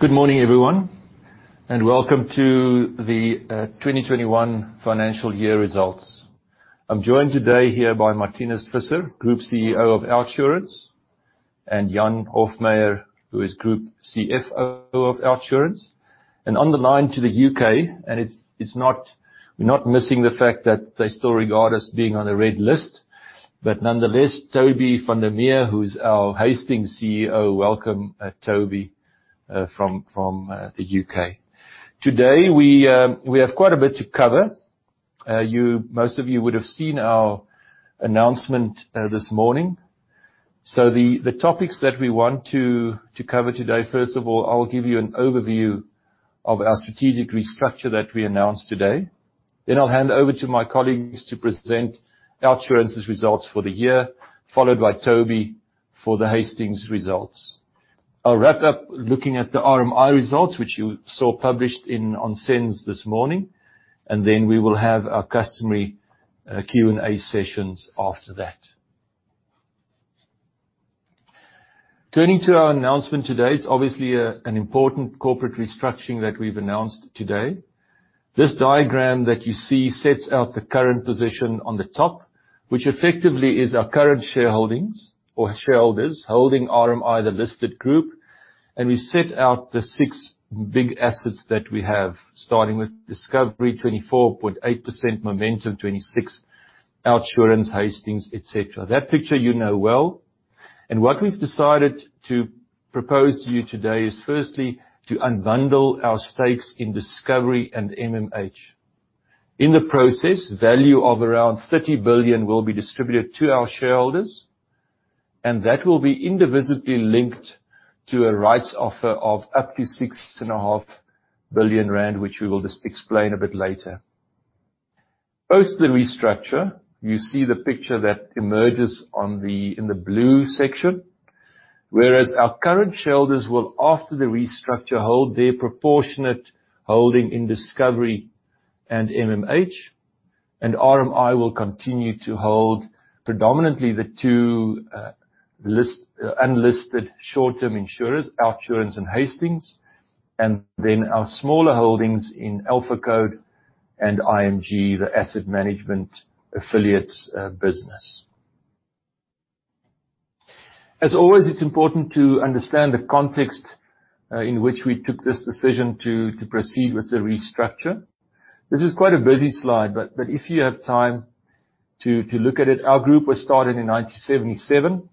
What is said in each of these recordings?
Good morning, everyone, and welcome to the 2021 financial year results. I'm joined today here by Marthinus Visser, Group CEO of OUTsurance, and Jan Hofmeyr, who is Group CFO of OUTsurance. On the line to the U.K., and we're not missing the fact that they still regard us being on a red list, but nonetheless, Toby van der Meer, who's our Hastings CEO. Welcome, Toby, from the U.K. Today, we have quite a bit to cover. Most of you would have seen our announcement this morning. The topics that we want to cover today, first of all, I'll give you an overview of our strategic restructure that we announced today. I'll hand over to my colleagues to present OUTsurance's results for the year, followed by Toby for the Hastings results. I'll wrap up looking at the RMI results, which you saw published on SENS this morning, and then we will have our customary Q&A sessions after that. Turning to our announcement today, it's obviously an important corporate restructuring that we've announced today. This diagram that you see sets out the current position on the top, which effectively is our current shareholdings or shareholders holding RMI, the listed group, and we set out the six big assets that we have, starting with Discovery, 24.8% Momentum, 26% OUTsurance, Hastings, et cetera. That picture you know well. What we've decided to propose to you today is firstly, to unbundle our stakes in Discovery and MMH. In the process, value of around 30 billion will be distributed to our shareholders, and that will be indivisibly linked to a rights offer of up to six and a half billion rand, which we will explain a bit later. Post the restructure, you see the picture that emerges in the blue section, whereas our current shareholders will, after the restructure, hold their proportionate holding in Discovery and MMH. RMI will continue to hold predominantly the two unlisted short-term insurers, OUTsurance and Hastings, and then our smaller holdings in AlphaCode and IMG, the asset management affiliates business. As always, it's important to understand the context, in which we took this decision to proceed with the restructure. This is quite a busy slide, but if you have time to look at it, our group was started in 1977,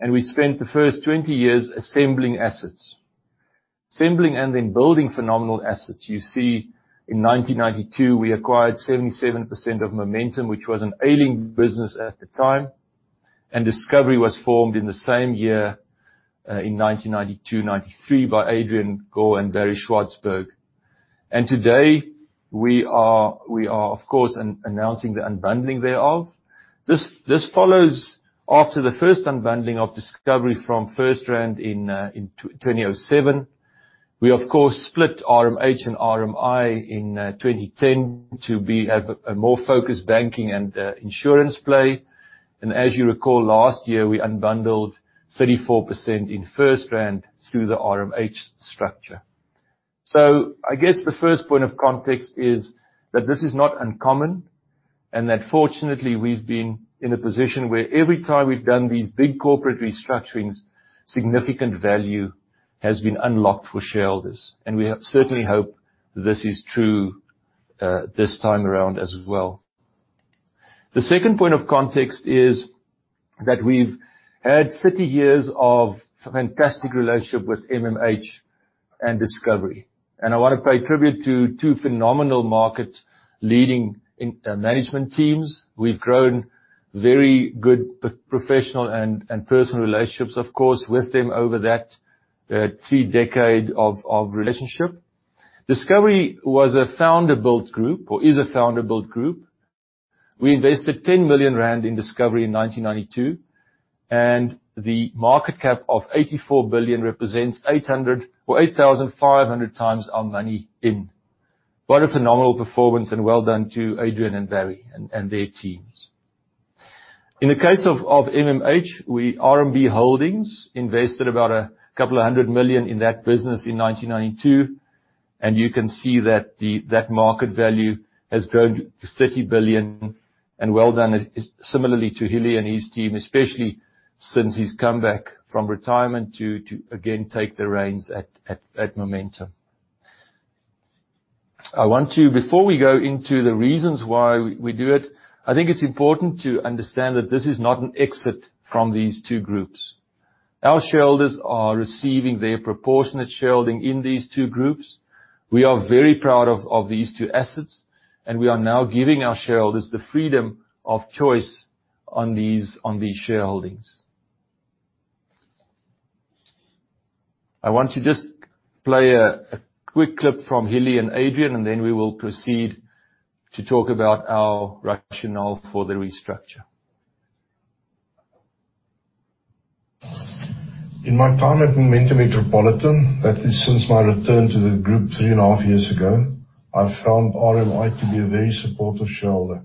and we spent the first 20 years assembling assets. Assembling and then building phenomenal assets. You see, in 1992, we acquired 77% of Momentum, which was an ailing business at the time. Discovery was formed in the same year, in 1992, 1993, by Adrian Gore and Barry Swartzberg. Today, we are, of course, announcing the unbundling thereof. This follows after the first unbundling of Discovery from FirstRand in 2007. We, of course, split RMH and RMI in 2010 to have a more focused banking and insurance play. As you recall, last year, we unbundled 34% in FirstRand through the RMH structure. I guess the first point of context is that this is not uncommon and that fortunately, we've been in a position where every time we've done these big corporate restructurings, significant value has been unlocked for shareholders. We certainly hope this is true this time around as well. The second point of context is that we've had 30 years of fantastic relationship with MMH and Discovery. I want to pay tribute to two phenomenal market-leading management teams. We've grown very good professional and personal relationships, of course, with them over that three decade of relationship. Discovery was a founder-built group or is a founder-built group. We invested 10 million rand in Discovery in 1992, and the market cap of 84 billion represents 8,500 times our money in. What a phenomenal performance and well done to Adrian and Barry and their teams. In the case of MMH, RMB Holdings invested about a couple of hundred million in that business in 1992. You can see that market value has grown to 30 billion and well done similarly to Hillie and his team. Especially since he's come back from retirement to again take the reins at Momentum. Before we go into the reasons why we do it, I think it's important to understand that this is not an exit from these two groups. Our shareholders are receiving their proportionate shareholding in these two groups. We are very proud of these two assets, and we are now giving our shareholders the freedom of choice on these shareholdings. I want to just play a quick clip from Hillie and Adrian, then we will proceed to talk about our rationale for the restructure. In my time at Momentum Metropolitan, that is, since my return to the group three and a half years ago, I found RMI to be a very supportive shareholder.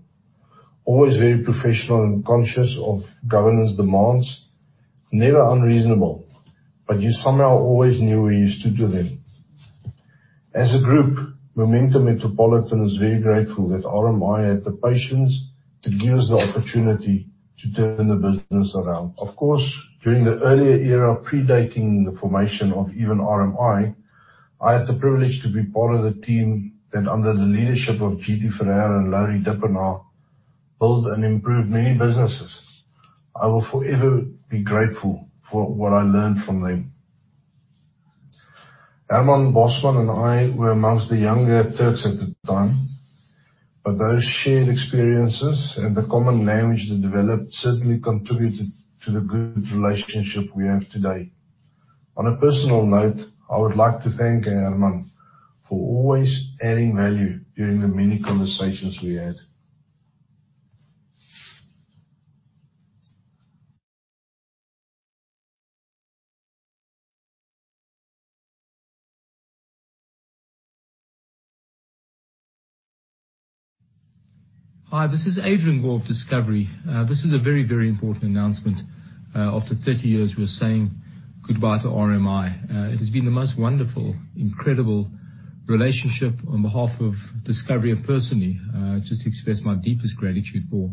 Always very professional and conscious of governance demands. Never unreasonable. You somehow always knew where you stood with him. As a group, Momentum Metropolitan is very grateful that RMI had the patience to give us the opportunity to turn the business around. Of course, during the earlier era predating the formation of even RMI, I had the privilege to be part of the team that under the leadership of GT Ferreira and Laurie Dippenaar, build and improve many businesses. I will forever be grateful for what I learned from them. Herman Bosman and I were amongst the younger Turks at the time. Those shared experiences and the common language that developed certainly contributed to the good relationship we have today. On a personal note, I would like to thank Herman for always adding value during the many conversations we had. Hi, this is Adrian Gore of Discovery. This is a very important announcement. After 30 years, we're saying goodbye to RMI. It has been the most wonderful, incredible relationship on behalf of Discovery and personally. Just express my deepest gratitude for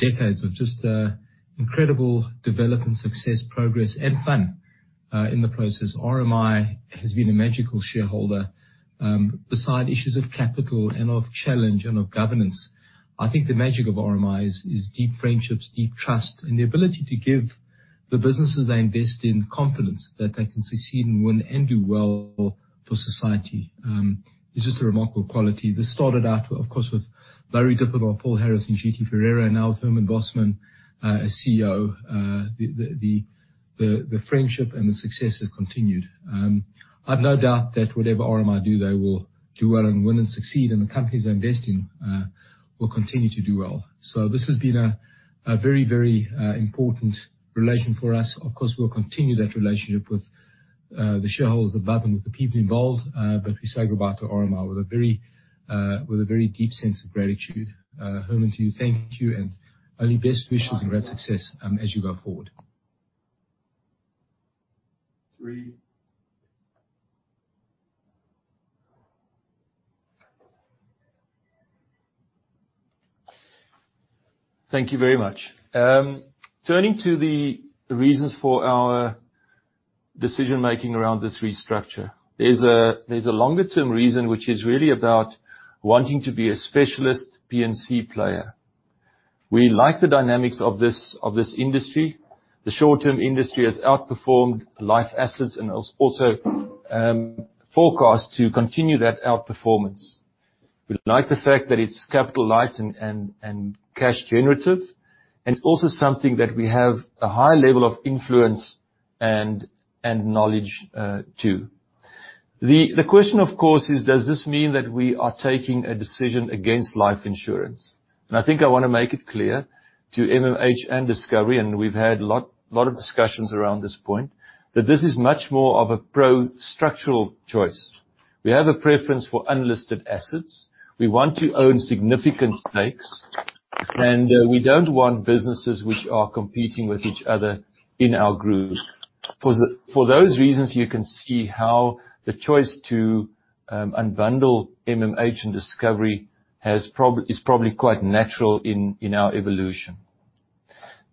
decades of just incredible development, success, progress, and fun in the process. RMI has been a magical shareholder. Beside issues of capital and of challenge and of governance, I think the magic of RMI is deep friendships, deep trust, and the ability to give the businesses they invest in confidence that they can succeed and win and do well for society. It's just a remarkable quality. This started out, of course, with Laurie Dippenaar, Paul Harris, and GT Ferreira. Now with Herman Bosman as CEO. The friendship and the success have continued. I've no doubt that whatever RMI do, they will do well and win and succeed and the companies they invest in will continue to do well. This has been a very important relation for us. Of course, we'll continue that relationship with the shareholders above and with the people involved. We say goodbye to RMI with a very deep sense of gratitude. Herman, to you, thank you and only best wishes and great success as you go forward. Thank you very much. Turning to the reasons for our decision-making around this restructure. There's a longer-term reason which is really about wanting to be a specialist P&C player. We like the dynamics of this industry. The short-term industry has outperformed life assets and also forecast to continue that outperformance. We like the fact that it's capital light and cash generative. It's also something that we have a high level of influence and knowledge too. The question, of course, is does this mean that we are taking a decision against life insurance? I think I want to make it clear to MMH and Discovery, and we've had lot of discussions around this point. That this is much more of a pro-structural choice. We have a preference for unlisted assets. We want to own significant stakes. We don't want businesses which are competing with each other in our group. For those reasons, you can see how the choice to unbundle MMH and Discovery is probably quite natural in our evolution.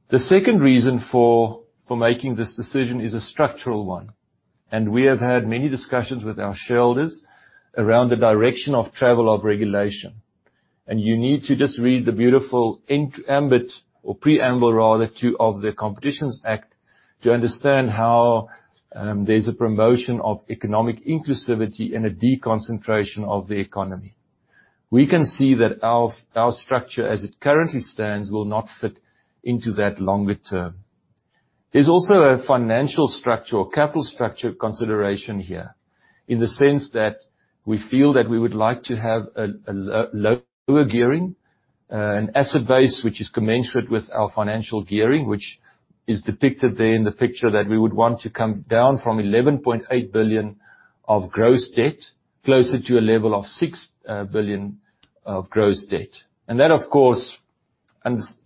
The second reason for making this decision is a structural one. We have had many discussions with our shareholders around the direction of travel of regulation. You need to just read the beautiful ambit or preamble rather of the Competition Act to understand how there's a promotion of economic inclusivity and a deconcentration of the economy. We can see that our structure as it currently stands will not fit into that longer term. There's also a financial structure or capital structure consideration here. In the sense that we feel that we would like to have a lower gearing. An asset base which is commensurate with our financial gearing, which is depicted there in the picture that we would want to come down from 11.8 billion of gross debt closer to a level of 6 billion of gross debt. That, of course,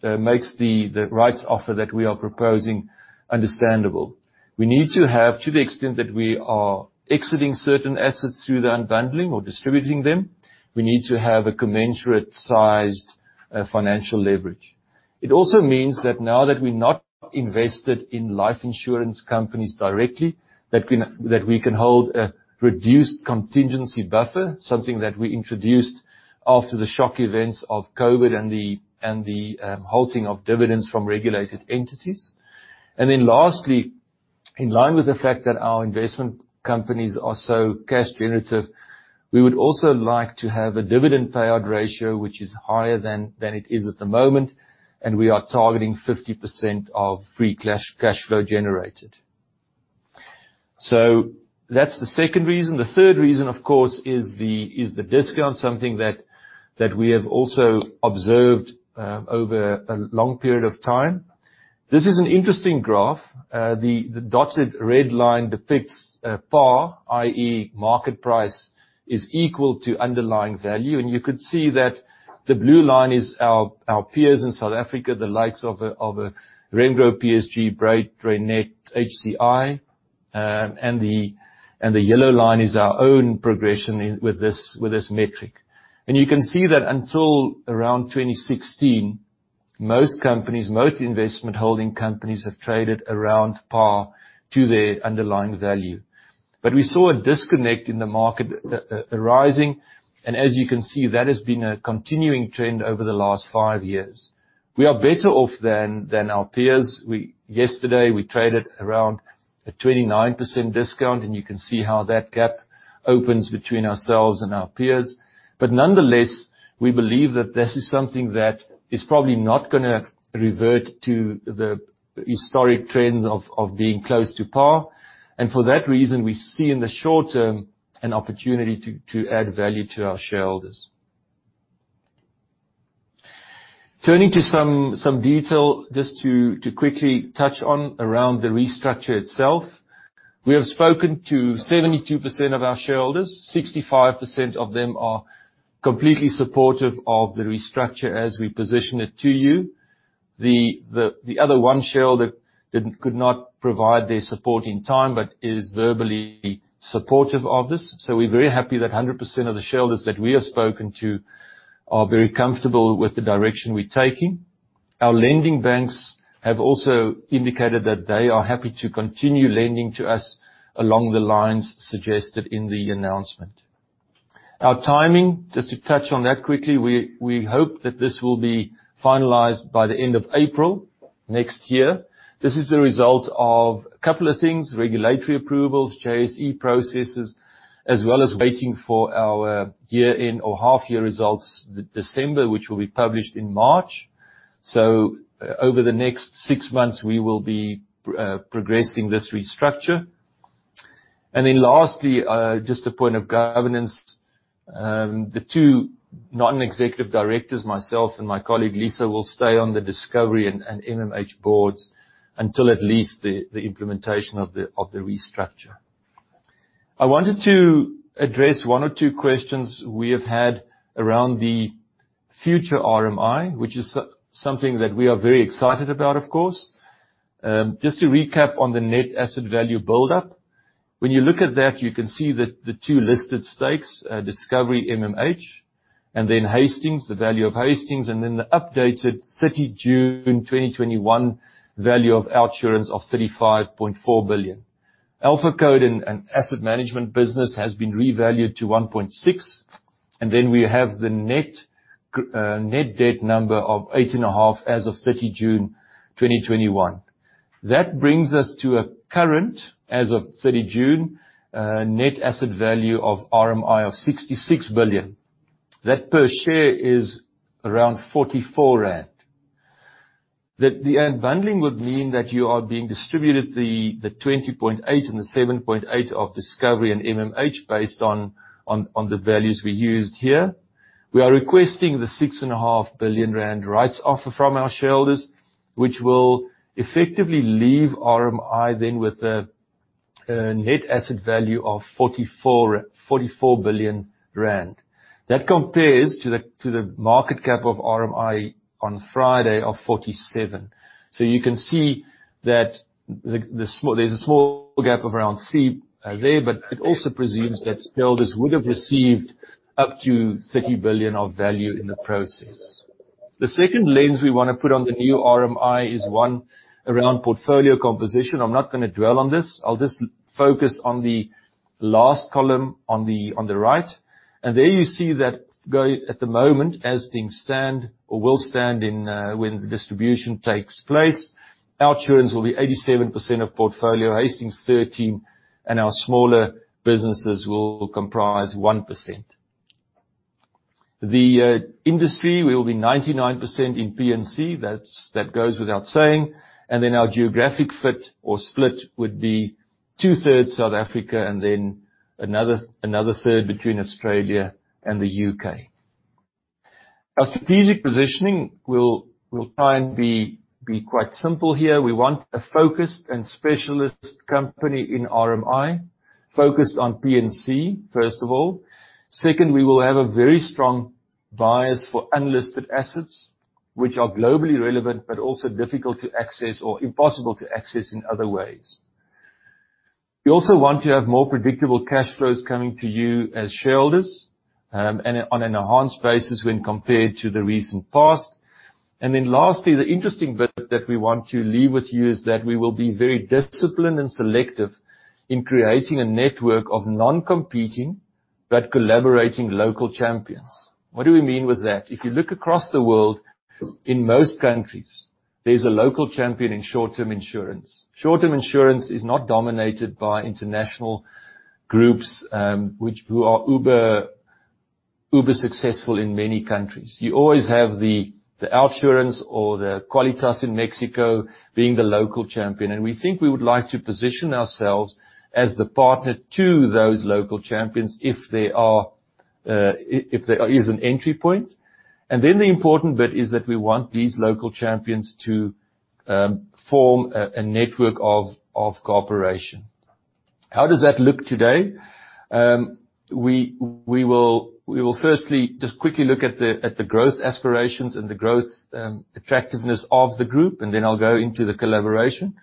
makes the rights offer that we are proposing understandable. We need to have to the extent that we are exiting certain assets through the unbundling or distributing them. We need to have a commensurate sized financial leverage. It also means that now that we're not invested in life insurance companies directly, that we can hold a reduced contingency buffer. Something that we introduced after the shock events of COVID and the halting of dividends from regulated entities. Lastly, in line with the fact that our investment companies are so cash generative, we would also like to have a dividend payout ratio which is higher than it is at the moment. We are targeting 50% of free cash flow generated. That's the second reason. The third reason, of course, is the discount, something that we have also observed over a long period of time. This is an interesting graph. The dotted red line depicts par, i.e., market price is equal to underlying value. You could see that the blue line is our peers in South Africa, the likes of Remgro, PSG, Brait, Reinet, HCI. The yellow line is our own progression with this metric. You can see that until around 2016, most companies, most investment holding companies, have traded around par to their underlying value. We saw a disconnect in the market arising, as you can see, that has been a continuing trend over the last five years. We are better off than our peers. Yesterday, we traded around a 29% discount, and you can see how that gap opens between ourselves and our peers. Nonetheless, we believe that this is something that is probably not going to revert to the historic trends of being close to par. For that reason, we see in the short term an opportunity to add value to our shareholders. Turning to some detail just to quickly touch on around the restructure itself. We have spoken to 72% of our shareholders. Sixty-five percent of them are completely supportive of the restructure as we position it to you. The other one shareholder could not provide their support in time, but is verbally supportive of this. We're very happy that 100% of the shareholders that we have spoken to are very comfortable with the direction we're taking. Our lending banks have also indicated that they are happy to continue lending to us along the lines suggested in the announcement. Our timing, just to touch on that quickly, we hope that this will be finalized by the end of April next year. This is a result of a couple of things, regulatory approvals, JSE processes, as well as waiting for our year-end or half-year results, December, which will be published in March. Over the next six months, we will be progressing this restructure. Lastly, just a point of governance. The two non-executive directors, myself and my colleague Lisa, will stay on the Discovery and MMH boards until at least the implementation of the restructure. I wanted to address one or two questions we have had around the future RMI, which is something that we are very excited about, of course. Just to recap on the net asset value buildup. When you look at that, you can see that the two listed stakes, Discovery, MMH. Then Hastings, the value of Hastings, and then the updated 30 June 2021 value of OUTsurance of 35.4 billion. AlphaCode and Asset Management business has been revalued to 1.6 billion. Then we have the net debt number of 8.5 billion as of 30 June 2021. That brings us to a current, as of 30 June, net asset value of RMI of 66 billion. That per share is around 44 rand. The unbundling would mean that you are being distributed the 20.8 billion and the 7.8 billion of Discovery and MMH based on the values we used here. We are requesting the 6.5 billion rand rights offer from our shareholders, which will effectively leave RMI then with a net asset value of 44 billion rand. That compares to the market cap of RMI on Friday of 47 billion. You can see that there's a small gap of around there. It also presumes that shareholders would have received up to 30 billion of value in the process. The second lens we want to put on the new RMI is one around portfolio composition. I'm not going to dwell on this. I'll just focus on the last column on the right. There you see that at the moment, as things stand or will stand when the distribution takes place, OUTsurance will be 87% of portfolio, Hastings 13%, and our smaller businesses will comprise 1%. The industry will be 99% in P&C. That goes without saying. Then our geographic fit or split would be two-thirds South Africa and then another third between Australia and the U.K. Our strategic positioning will try and be quite simple here. We want a focused and specialist company in RMI. Focused on P&C, first of all. Second, we will have a very strong bias for unlisted assets, which are globally relevant, but also difficult to access or impossible to access in other ways. We also want to have more predictable cash flows coming to you as shareholders, and on an enhanced basis when compared to the recent past. Lastly, the interesting bit that we want to leave with you is that we will be very disciplined and selective in creating a network of non-competing but collaborating local champions. What do we mean by that? If you look across the world, in most countries, there's a local champion in short-term insurance. Short-term insurance is not dominated by international groups who are uber Uber successful in many countries. You always have the OUTsurance or the Quálitas in Mexico being the local champion. We think we would like to position ourselves as the partner to those local champions if there is an entry point. Then the important bit is that we want these local champions to form a network of cooperation. How does that look today? We will firstly just quickly look at the growth aspirations and the growth attractiveness of the group, and then I'll go into the collaboration.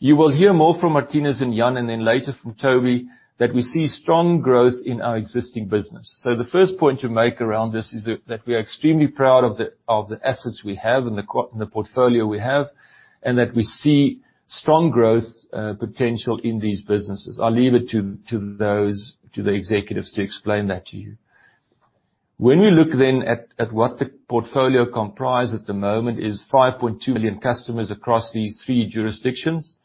You will hear more from Marthinus and Jan, and then later from Toby, that we see strong growth in our existing business. The first point to make around this is that we are extremely proud of the assets we have and the portfolio we have. We see strong growth potential in these businesses. I will leave it to the executives to explain that to you. When we look then at what the portfolio comprise at the moment is 5.2 million customers across these three jurisdictions,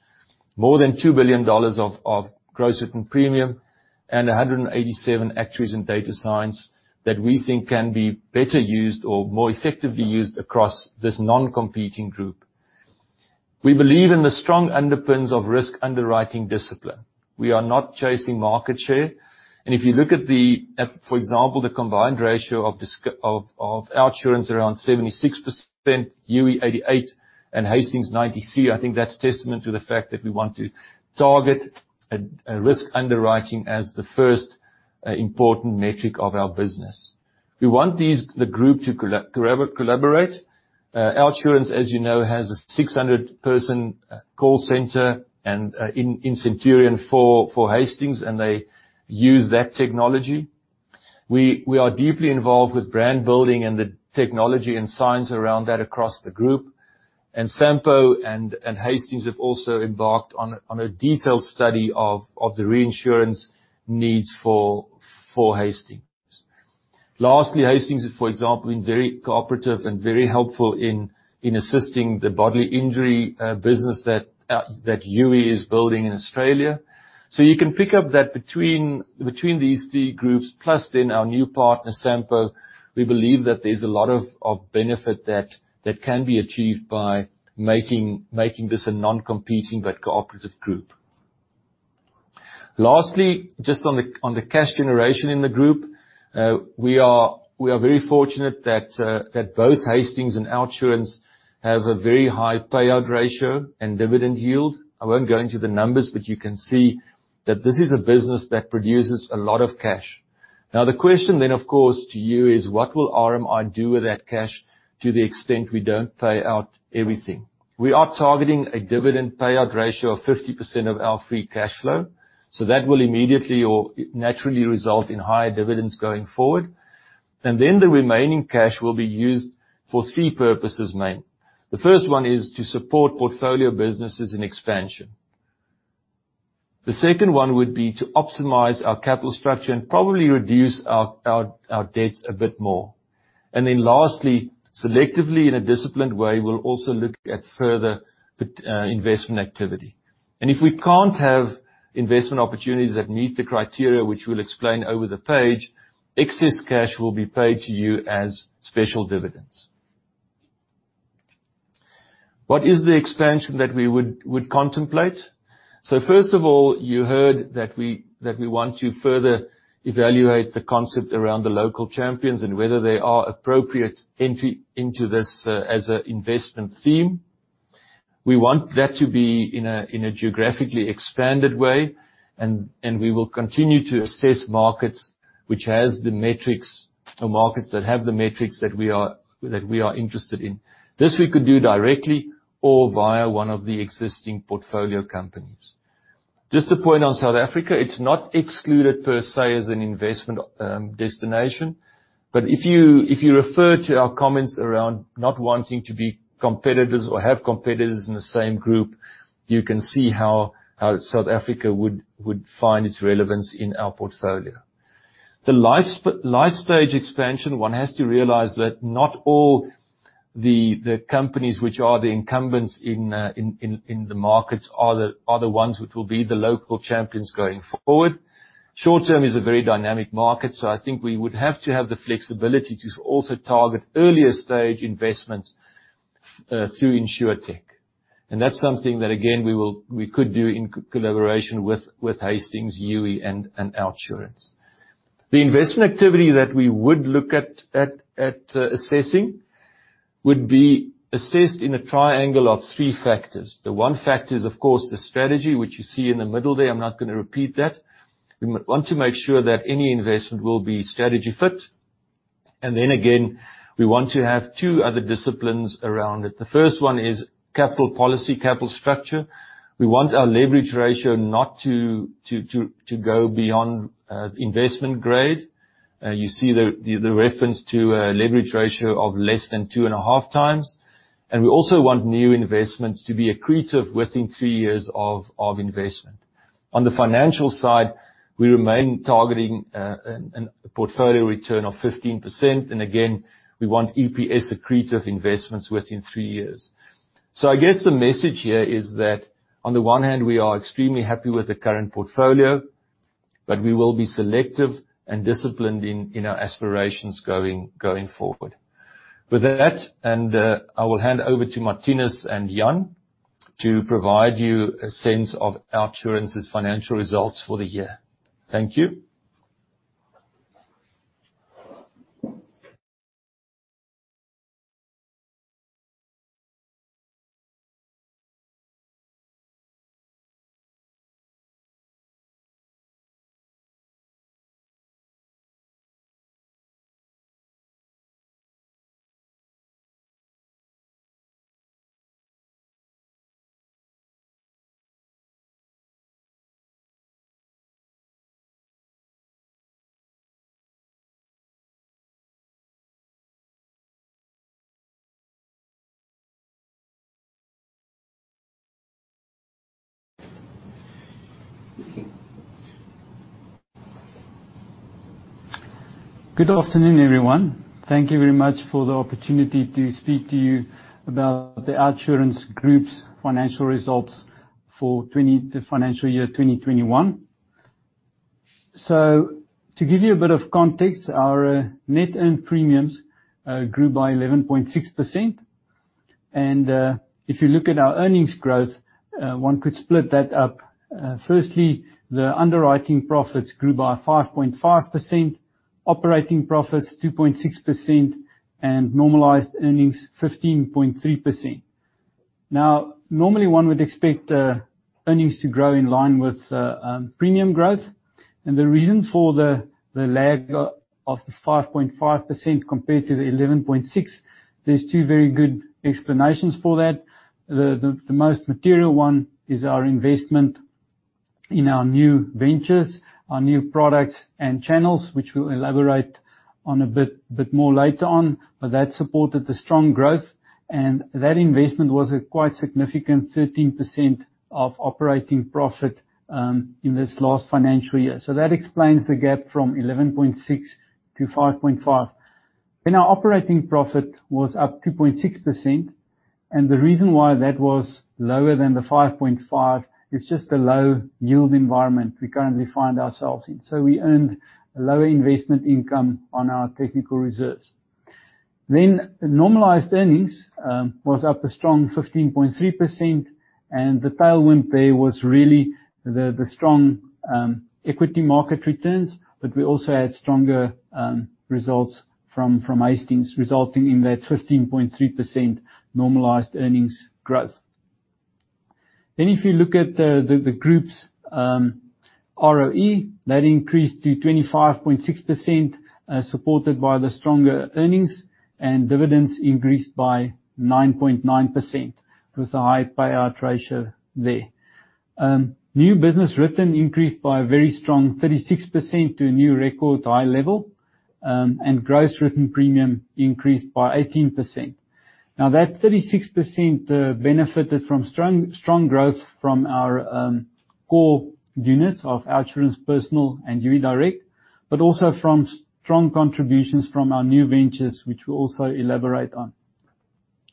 more than ZAR 2 billion of gross written premium and 187 actuaries and data scientists that we think can be better used or more effectively used across this non-competing group. We believe in the strong underpins of risk underwriting discipline. We are not chasing market share. If you look at, for example, the combined ratio of OUTsurance around 76%, Youi 88%, and Hastings 93%, I think that's testament to the fact that we want to target a risk underwriting as the first important metric of our business. We want the group to collaborate. OUTsurance, as you know, has a 600-person call center and in Centurion for Hastings, and they use that technology. We are deeply involved with brand building and the technology and science around that across the group. Sampo and Hastings have also embarked on a detailed study of the reinsurance needs for Hastings. Lastly, Hastings, for example, has been very cooperative and very helpful in assisting the bodily injury business that Youi is building in Australia. You can pick up that between these three groups, plus then our new partner, Sampo, we believe that there's a lot of benefit that can be achieved by making this a non-competing but cooperative group. Lastly, just on the cash generation in the group. We are very fortunate that both Hastings and OUTsurance have a very high payout ratio and dividend yield. I won't go into the numbers, but you can see that this is a business that produces a lot of cash. The question, of course, to you is what will RMI do with that cash to the extent we don't pay out everything? We are targeting a dividend payout ratio of 50% of our free cash flow. That will immediately or naturally result in higher dividends going forward. The remaining cash will be used for three purposes, main. The first one is to support portfolio businesses and expansion. The second one would be to optimize our capital structure and probably reduce our debt a bit more. Lastly, selectively in a disciplined way, we'll also look at further investment activity. If we can't have investment opportunities that meet the criteria, which we'll explain over the page, excess cash will be paid to you as special dividends. What is the expansion that we would contemplate? First of all, you heard that we want to further evaluate the concept around the local champions and whether they are appropriate entry into this as an investment theme. We want that to be in a geographically expanded way, and we will continue to assess markets which has the metrics or markets that have the metrics that we are interested in. This we could do directly or via one of the existing portfolio companies. Just a point on South Africa, it is not excluded per se as an investment destination. If you refer to our comments around not wanting to be competitors or have competitors in the same group, you can see how South Africa would find its relevance in our portfolio. The life stage expansion, one has to realize that not all the companies which are the incumbents in the markets are the ones which will be the local champions going forward. Short-term is a very dynamic market, so I think we would have to have the flexibility to also target earlier stage investments through Insurtech. That is something that, again, we could do in collaboration with Hastings, Youi, and OUTsurance. The investment activity that we would look at assessing would be assessed in a triangle of three factors. The one factor is, of course, the strategy which you see in the middle there. I am not going to repeat that. We want to make sure that any investment will be strategy fit. Then again, we want to have two other disciplines around it. The first one is capital policy, capital structure. We want our leverage ratio not to go beyond investment grade. You see the reference to a leverage ratio of less than two and a half times. We also want new investments to be accretive within three years of investment. On the financial side, we remain targeting a portfolio return of 15%. Again, we want EPS accretive investments within three years. I guess the message here is that on the one hand, we are extremely happy with the current portfolio, but we will be selective and disciplined in our aspirations going forward. With that, I will hand over to Marthinus and Jan to provide you a sense of OUTsurance's financial results for the year. Thank you. Good afternoon, everyone. Thank you very much for the opportunity to speak to you about the OUTsurance Group's financial results for the financial year 2021. To give you a bit of context, our net earned premiums grew by 11.6%. If you look at our earnings growth, one could split that up. Firstly, the underwriting profits grew by 5.5%, operating profits 2.6%, and normalized earnings 15.3%. Now, normally one would expect earnings to grow in line with premium growth. The reason for the lag of the 5.5% compared to the 11.6%, there is two very good explanations for that. The most material one is our investment in our new ventures, our new products and channels, which we will elaborate on a bit more later on. That supported the strong growth, and that investment was a quite significant 13% of operating profit in this last financial year. That explains the gap from 11.6 to 5.5. Our operating profit was up 2.6%, and the reason why that was lower than the 5.5 is just the low yield environment we currently find ourselves in. We earned lower investment income on our technical reserves. Normalized earnings was up a strong 15.3%, and the tailwind there was really the strong equity market returns, but we also had stronger results from Hastings resulting in that 15.3% normalized earnings growth. If you look at the group's ROE, that increased to 25.6%, supported by the stronger earnings, and dividends increased by 9.9% with a high payout ratio there. New business written increased by a very strong 36% to a new record high level, and gross written premium increased by 18%. That 36% benefited from strong growth from our core units of OUTsurance Personal and Youi Direct, but also from strong contributions from our new ventures, which we'll also elaborate on.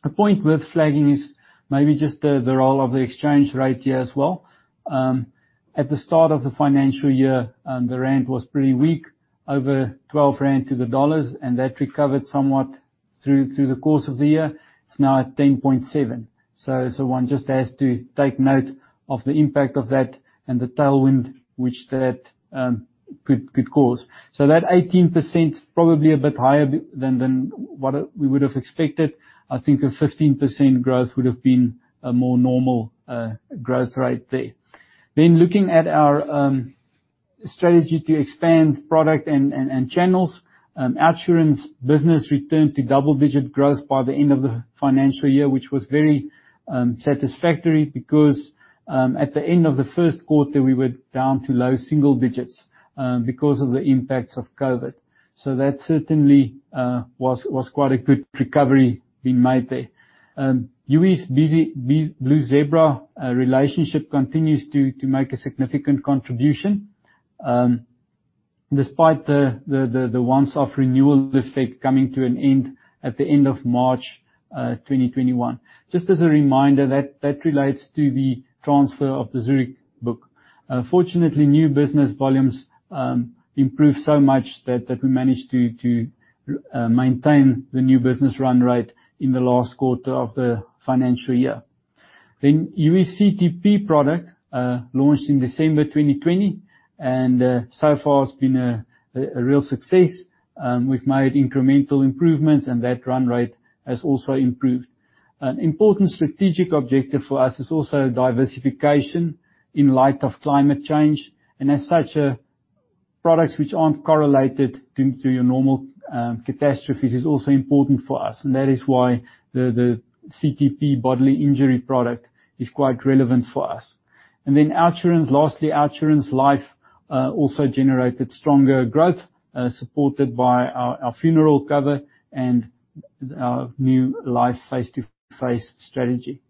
A point worth flagging is maybe just the role of the exchange rate here as well. At the start of the financial year, the ZAR was pretty weak, over 12 rand to the U.S. dollar, and that recovered somewhat through the course of the year. It's now at 10.7. One just has to take note of the impact of that and the tailwind which that could cause. That 18% is probably a bit higher than what we would have expected. I think a 15% growth would have been a more normal growth rate there. Looking at our strategy to expand product and channels. OUTsurance business returned to double-digit growth by the end of the financial year, which was very satisfactory because, at the end of the first quarter, we were down to low single digits, because of the impacts of COVID. That certainly was quite a good recovery being made there. Youi's Blue Zebra relationship continues to make a significant contribution despite the once-off renewal effect coming to an end at the end of March 2021. Just as a reminder, that relates to the transfer of the Zurich book. Fortunately, new business volumes improved so much that we managed to maintain the new business run rate in the last quarter of the financial year. Youi's CTP product, launched in December 2020 and so far it's been a real success. We've made incremental improvements and that run rate has also improved. An important strategic objective for us is also diversification in light of climate change, and as such, products which aren't correlated to your normal catastrophes is also important for us, and that is why the CTP bodily injury product is quite relevant for us. Lastly, OUTsurance Life, also generated stronger growth, supported by our funeral cover and our new life face-to-face strategy.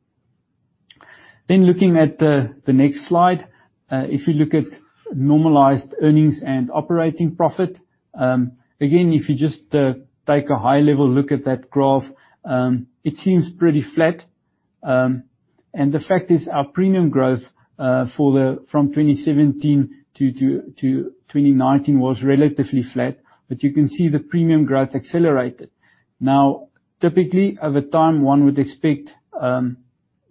Looking at the next slide. If you look at normalized earnings and operating profit. Again, if you just take a high-level look at that graph, it seems pretty flat. The fact is, our premium growth from 2017 to 2019 was relatively flat, but you can see the premium growth accelerated. Typically, over time, one would expect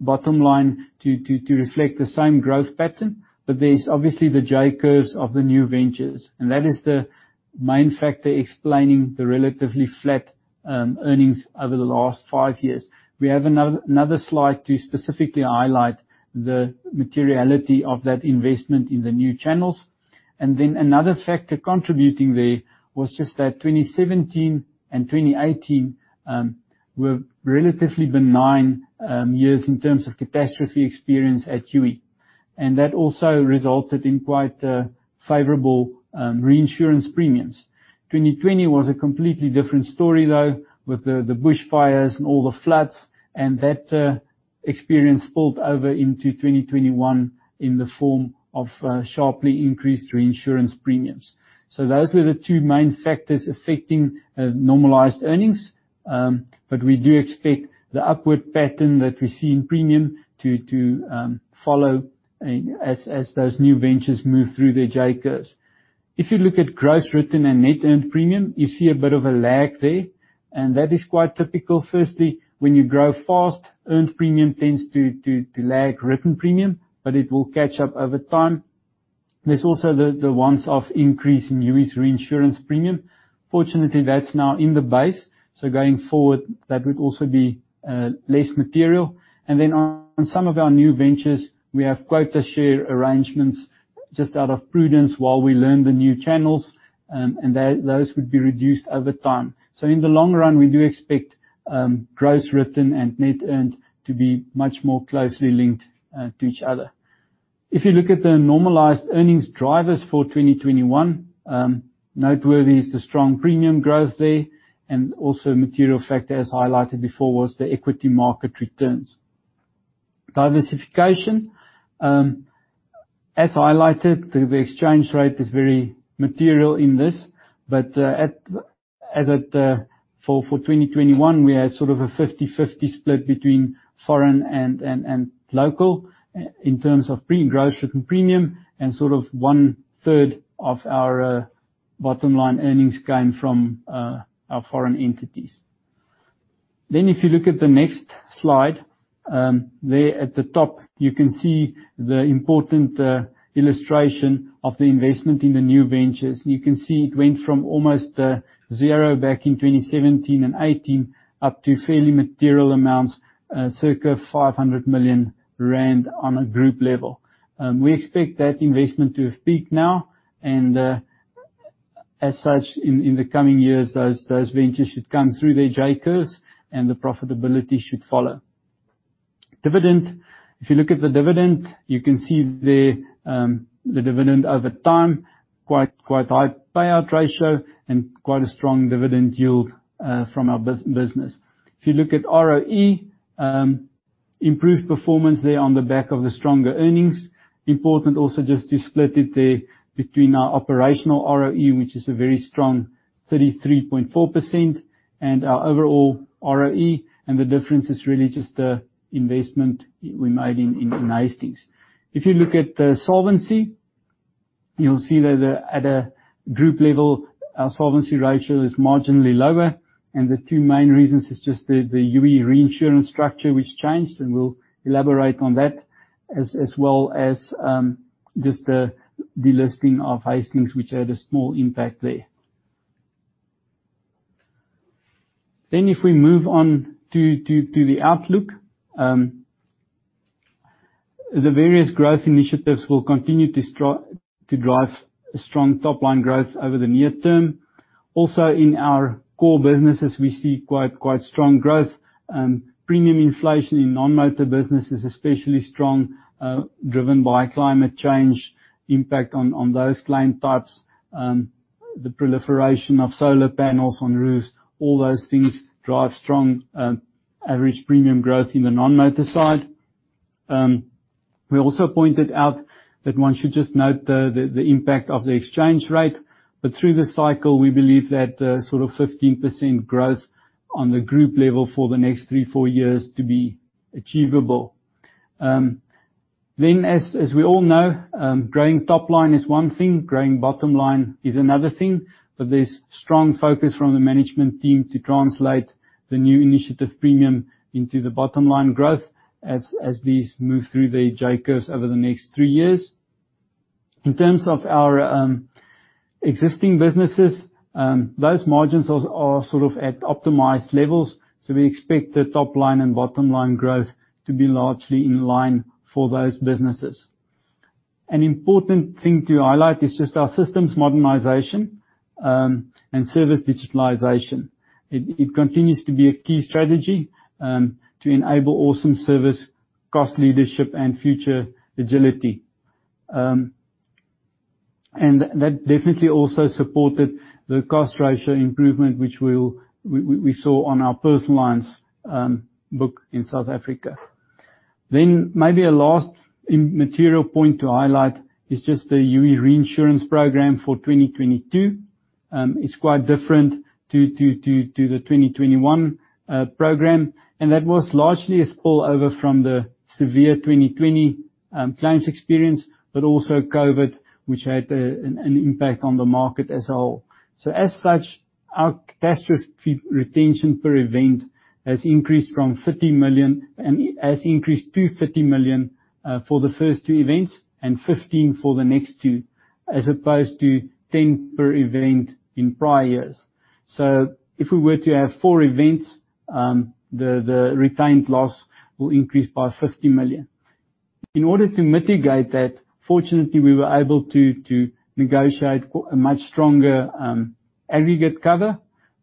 bottom line to reflect the same growth pattern. There's obviously the J curves of the new ventures, and that is the main factor explaining the relatively flat earnings over the last five years. We have another slide to specifically highlight the materiality of that investment in the new channels. Then another factor contributing there was just that 2017 and 2018 were relatively benign years in terms of catastrophe experience at Youi. That also resulted in quite favorable reinsurance premiums. 2020 was a completely different story, though, with the bushfires and all the floods, and that experience spilt over into 2021 in the form of sharply increased reinsurance premiums. Those were the two main factors affecting normalized earnings. We do expect the upward pattern that we see in premium to follow as those new ventures move through their J curves. If you look at gross written and net earned premium, you see a bit of a lag there, and that is quite typical. Firstly, when you grow fast, earned premium tends to lag written premium, but it will catch up over time. There's also the once-off increase in US reinsurance premium. Fortunately, that's now in the base, going forward, that would also be less material. Then on some of our new ventures, we have quota share arrangements just out of prudence while we learn the new channels, and those would be reduced over time. In the long run, we do expect gross written and net earned to be much more closely linked to each other. If you look at the normalized earnings drivers for 2021, noteworthy is the strong premium growth there, also a material factor, as highlighted before, was the equity market returns. Diversification. As highlighted, the exchange rate is very material in this, for 2021, we had sort of a 50/50 split between foreign and local in terms of gross written premium and sort of one-third of our bottom-line earnings came from our foreign entities. If you look at the next slide. There at the top, you can see the important illustration of the investment in the new ventures. You can see it went from almost zero back in 2017 and 2018 up to fairly material amounts, circa 500 million rand on a group level. We expect that investment to have peaked now, as such, in the coming years, those ventures should come through their J curves and the profitability should follow. Dividend. If you look at the dividend, you can see there the dividend over time, quite high payout ratio and quite a strong dividend yield from our business. If you look at ROE, improved performance there on the back of the stronger earnings. Important also just to split it there between our operational ROE, which is a very strong 33.4%, and our overall ROE, the difference is really just the investment we made in Hastings. If you look at the solvency, you'll see that at a group level, our solvency ratio is marginally lower. The two main reasons is just the Youi reinsurance structure which changed, and we'll elaborate on that, as well as just the delisting of Hastings, which had a small impact there. If we move on to the outlook. The various growth initiatives will continue to drive strong top-line growth over the near term. Also in our core businesses, we see quite strong growth. Premium inflation in non-motor businesses, especially strong, driven by climate change impact on those claim types. The proliferation of solar panels on roofs, all those things drive strong average premium growth in the non-motor side. We also pointed out that one should just note the impact of the exchange rate. Through the cycle, we believe that sort of 15% growth on the group level for the next three, four years to be achievable. As we all know, growing top line is one thing, growing bottom line is another thing. There's strong focus from the management team to translate the new initiative premium into the bottom-line growth as these move through their J curves over the next three years. In terms of our existing businesses, those margins are sort of at optimized levels. We expect the top line and bottom line growth to be largely in line for those businesses. An important thing to highlight is just our systems modernization and service digitalization. It continues to be a key strategy to enable awesome service, cost leadership, and future agility. That definitely also supported the cost ratio improvement, which we saw on our personal lines book in South Africa. Maybe a last material point to highlight is just the Youi reinsurance program for 2022. It's quite different to the 2021 program, and that was largely a spillover from the severe 2020 claims experience, but also COVID, which had an impact on the market as a whole. As such, our catastrophe retention per event has increased from 30 million and has increased to 30 million for the first two events and 15 million for the next two, as opposed to 10 million per event in prior years. If we were to have four events, the retained loss will increase by 50 million. In order to mitigate that, fortunately, we were able to negotiate a much stronger aggregate cover.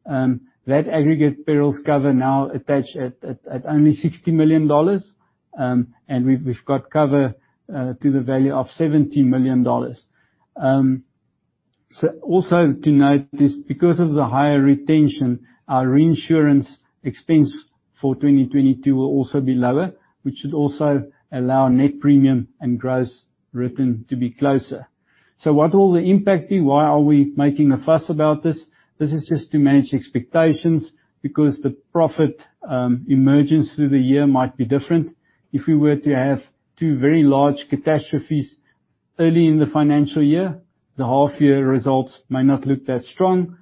That aggregate perils cover now attached at only ZAR 60 million. We've got cover to the value of ZAR 70 million. Also to note this, because of the higher retention, our reinsurance expense for 2022 will also be lower, which should also allow net premium and gross written to be closer. What will the impact be? Why are we making a fuss about this? This is just to manage expectations because the profit emergence through the year might be different. If we were to have two very large catastrophes early in the financial year, the half year results may not look that strong.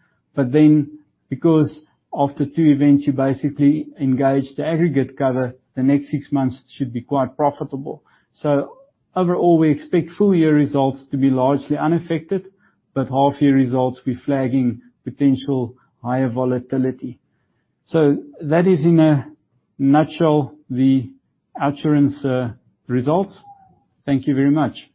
Because after two events you basically engage the aggregate cover, the next six months should be quite profitable. Overall, we expect full year results to be largely unaffected, but half year results we're flagging potential higher volatility. That is in a nutshell the OUTsurance results. Thank you very much.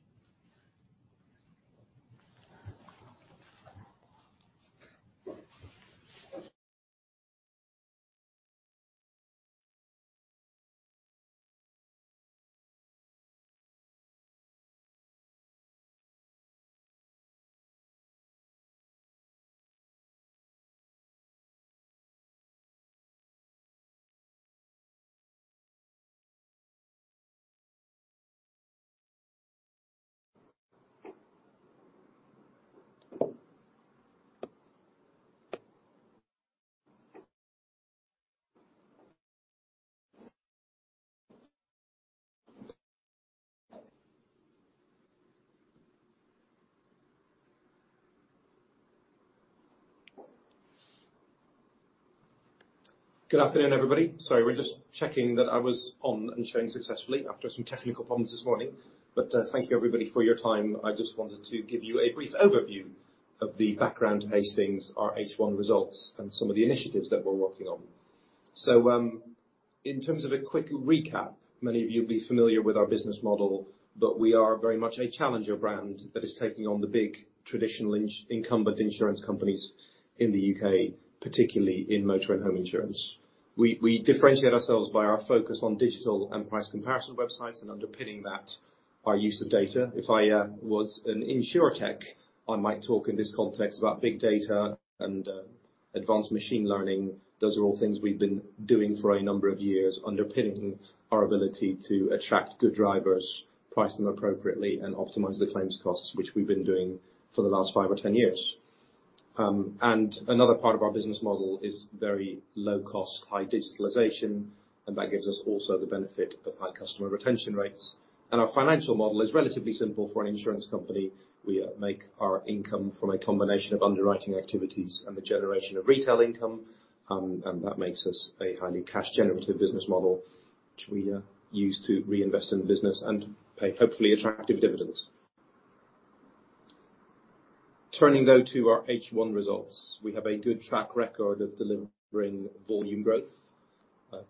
Good afternoon, everybody. Sorry, we're just checking that I was on and showing successfully after some technical problems this morning. Thank you everybody for your time. I just wanted to give you a brief overview of the background Hastings, our H1 results, and some of the initiatives that we're working on. In terms of a quick recap, many of you will be familiar with our business model, but we are very much a challenger brand that is taking on the big traditional incumbent insurance companies in the U.K., particularly in motor and home insurance. We differentiate ourselves by our focus on digital and price comparison websites, and underpinning that, our use of data. If I was an insurtech, I might talk in this context about big data and advanced machine learning. Those are all things we've been doing for a number of years, underpinning our ability to attract good drivers, price them appropriately, and optimize the claims costs, which we've been doing for the last five or 10 years. Another part of our business model is very low cost, high digitalization, and that gives us also the benefit of high customer retention rates. Our financial model is relatively simple for an insurance company. We make our income from a combination of underwriting activities and the generation of retail income, and that makes us a highly cash generative business model, which we use to reinvest in the business and pay hopefully attractive dividends. Turning though to our H1 results. We have a good track record of delivering volume growth.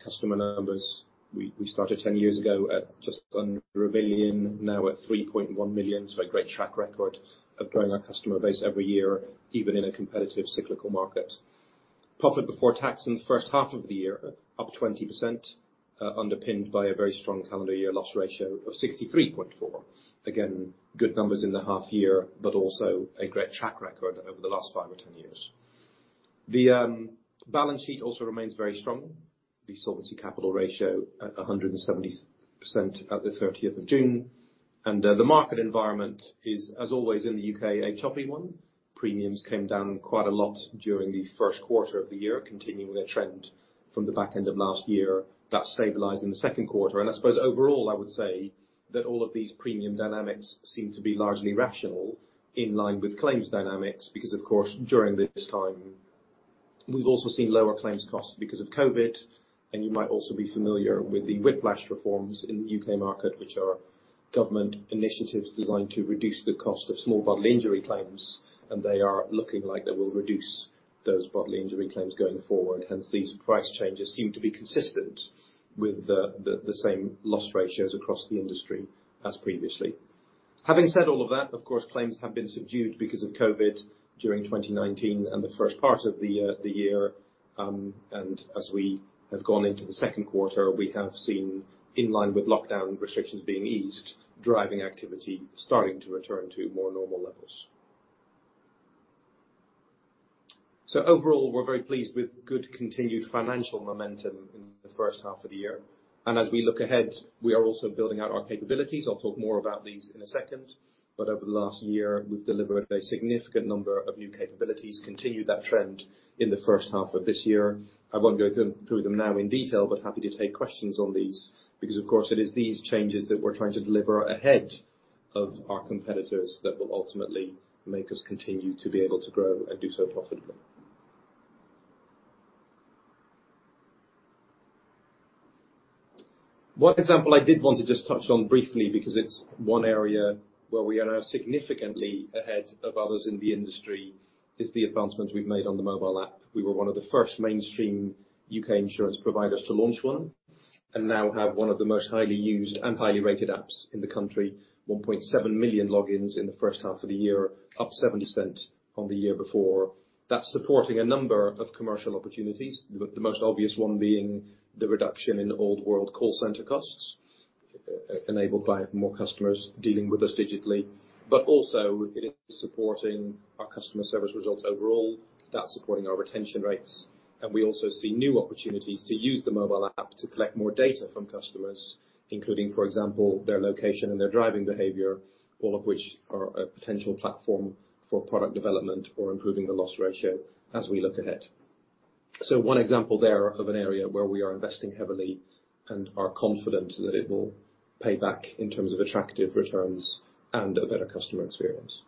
Customer numbers, we started 10 years ago at just under 1 million, now at 3.1 million. A great track record of growing our customer base every year, even in a competitive cyclical market. Profit before tax in the first half of the year, up 20%, underpinned by a very strong calendar year loss ratio of 63.4. Again, good numbers in the half year, but also a great track record over the last five or 10 years. The balance sheet also remains very strong. The solvency capital ratio at 170% at the 30th of June. The market environment is, as always, in the U.K., a choppy one. Premiums came down quite a lot during the first quarter of the year, continuing the trend from the back end of last year. That stabilized in the second quarter. I suppose overall, I would say that all of these premium dynamics seem to be largely rational, in line with claims dynamics, because of course, during this time we've also seen lower claims costs because of COVID. You might also be familiar with the whiplash reforms in the U.K. market, which are government initiatives designed to reduce the cost of small bodily injury claims, and they are looking like they will reduce those bodily injury claims going forward. Hence, these price changes seem to be consistent with the same loss ratios across the industry as previously. Having said all of that, of course, claims have been subdued because of COVID during 2019 and the first part of the year. As we have gone into the second quarter, we have seen, in line with lockdown restrictions being eased, driving activity starting to return to more normal levels. Overall, we're very pleased with good continued financial momentum in the first half of the year. As we look ahead, we are also building out our capabilities. I'll talk more about these in a second, but over the last year, we've delivered a significant number of new capabilities, continued that trend in the first half of this year. I won't go through them now in detail, but happy to take questions on these because, of course, it is these changes that we're trying to deliver ahead of our competitors that will ultimately make us continue to be able to grow and do so profitably. One example I did want to just touch on briefly, because it's one area where we are now significantly ahead of others in the industry, is the advancements we've made on the mobile app. We were one of the first mainstream U.K. insurance providers to launch one and now have one of the most highly used and highly rated apps in the country. 1.7 million logins in the first half of the year, up 70% on the year before. That's supporting a number of commercial opportunities, the most obvious one being the reduction in old world call center costs, enabled by more customers dealing with us digitally. Also, it is supporting our customer service results overall. That's supporting our retention rates. We also see new opportunities to use the mobile app to collect more data from customers, including, for example, their location and their driving behavior, all of which are a potential platform for product development or improving the loss ratio as we look ahead. One example there of an area where we are investing heavily and are confident that it will pay back in terms of attractive returns and a better customer experience.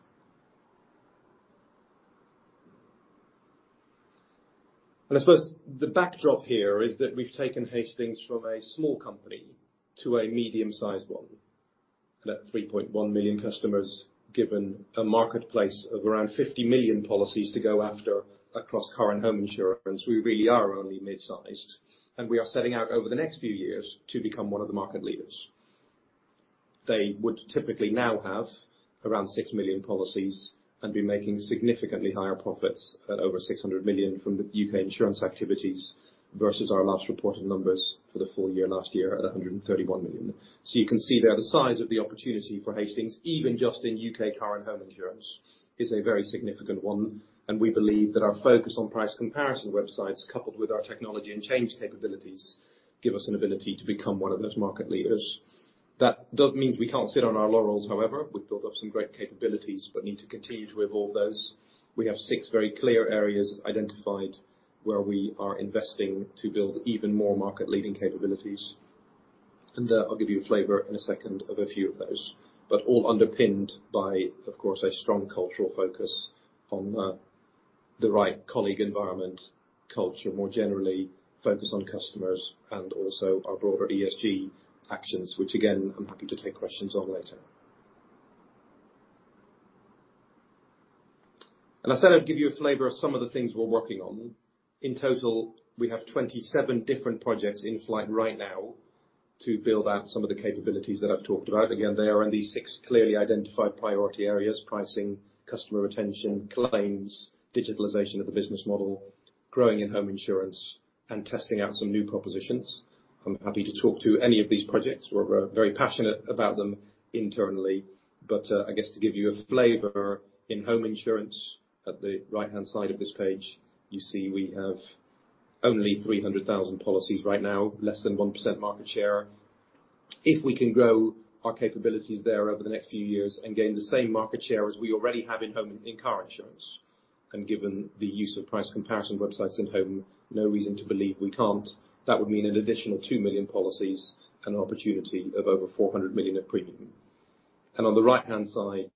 I suppose the backdrop here is that we've taken Hastings from a small company to a medium-sized one. At 3.1 million customers, given a marketplace of around 50 million policies to go after across car and home insurance, we really are only mid-sized. We are setting out over the next few years to become one of the market leaders. They would typically now have around 6 million policies and be making significantly higher profits at over 600 million from the U.K. insurance activities versus our last reported numbers for the full year last year at 131 million. You can see there the size of the opportunity for Hastings, even just in U.K. car and home insurance, is a very significant one, and we believe that our focus on price comparison websites, coupled with our technology and change capabilities, give us an ability to become one of those market leaders. That don't mean we can't sit on our laurels, however. We've built up some great capabilities, but need to continue to evolve those. We have six very clear areas identified where we are investing to build even more market-leading capabilities. I'll give you a flavor in a second of a few of those. All underpinned by, of course, a strong cultural focus on the right colleague environment, culture more generally, focus on customers, and also our broader ESG actions, which again, I'm happy to take questions on later. I said I'd give you a flavor of some of the things we're working on. In total, we have 27 different projects in flight right now to build out some of the capabilities that I've talked about. Again, they are in these six clearly identified priority areas, pricing, customer retention, claims, digitalization of the business model, growing in home insurance, and testing out some new propositions. I'm happy to talk to any of these projects. We're very passionate about them internally. I guess to give you a flavor, in home insurance, at the right-hand side of this page, you see we have only 300,000 policies right now, less than 1% market share. If we can grow our capabilities there over the next few years and gain the same market share as we already have in car insurance, given the use of price comparison websites at home, no reason to believe we can't, that would mean an additional two million policies and an opportunity of over 400 million of premium. On the right-hand side,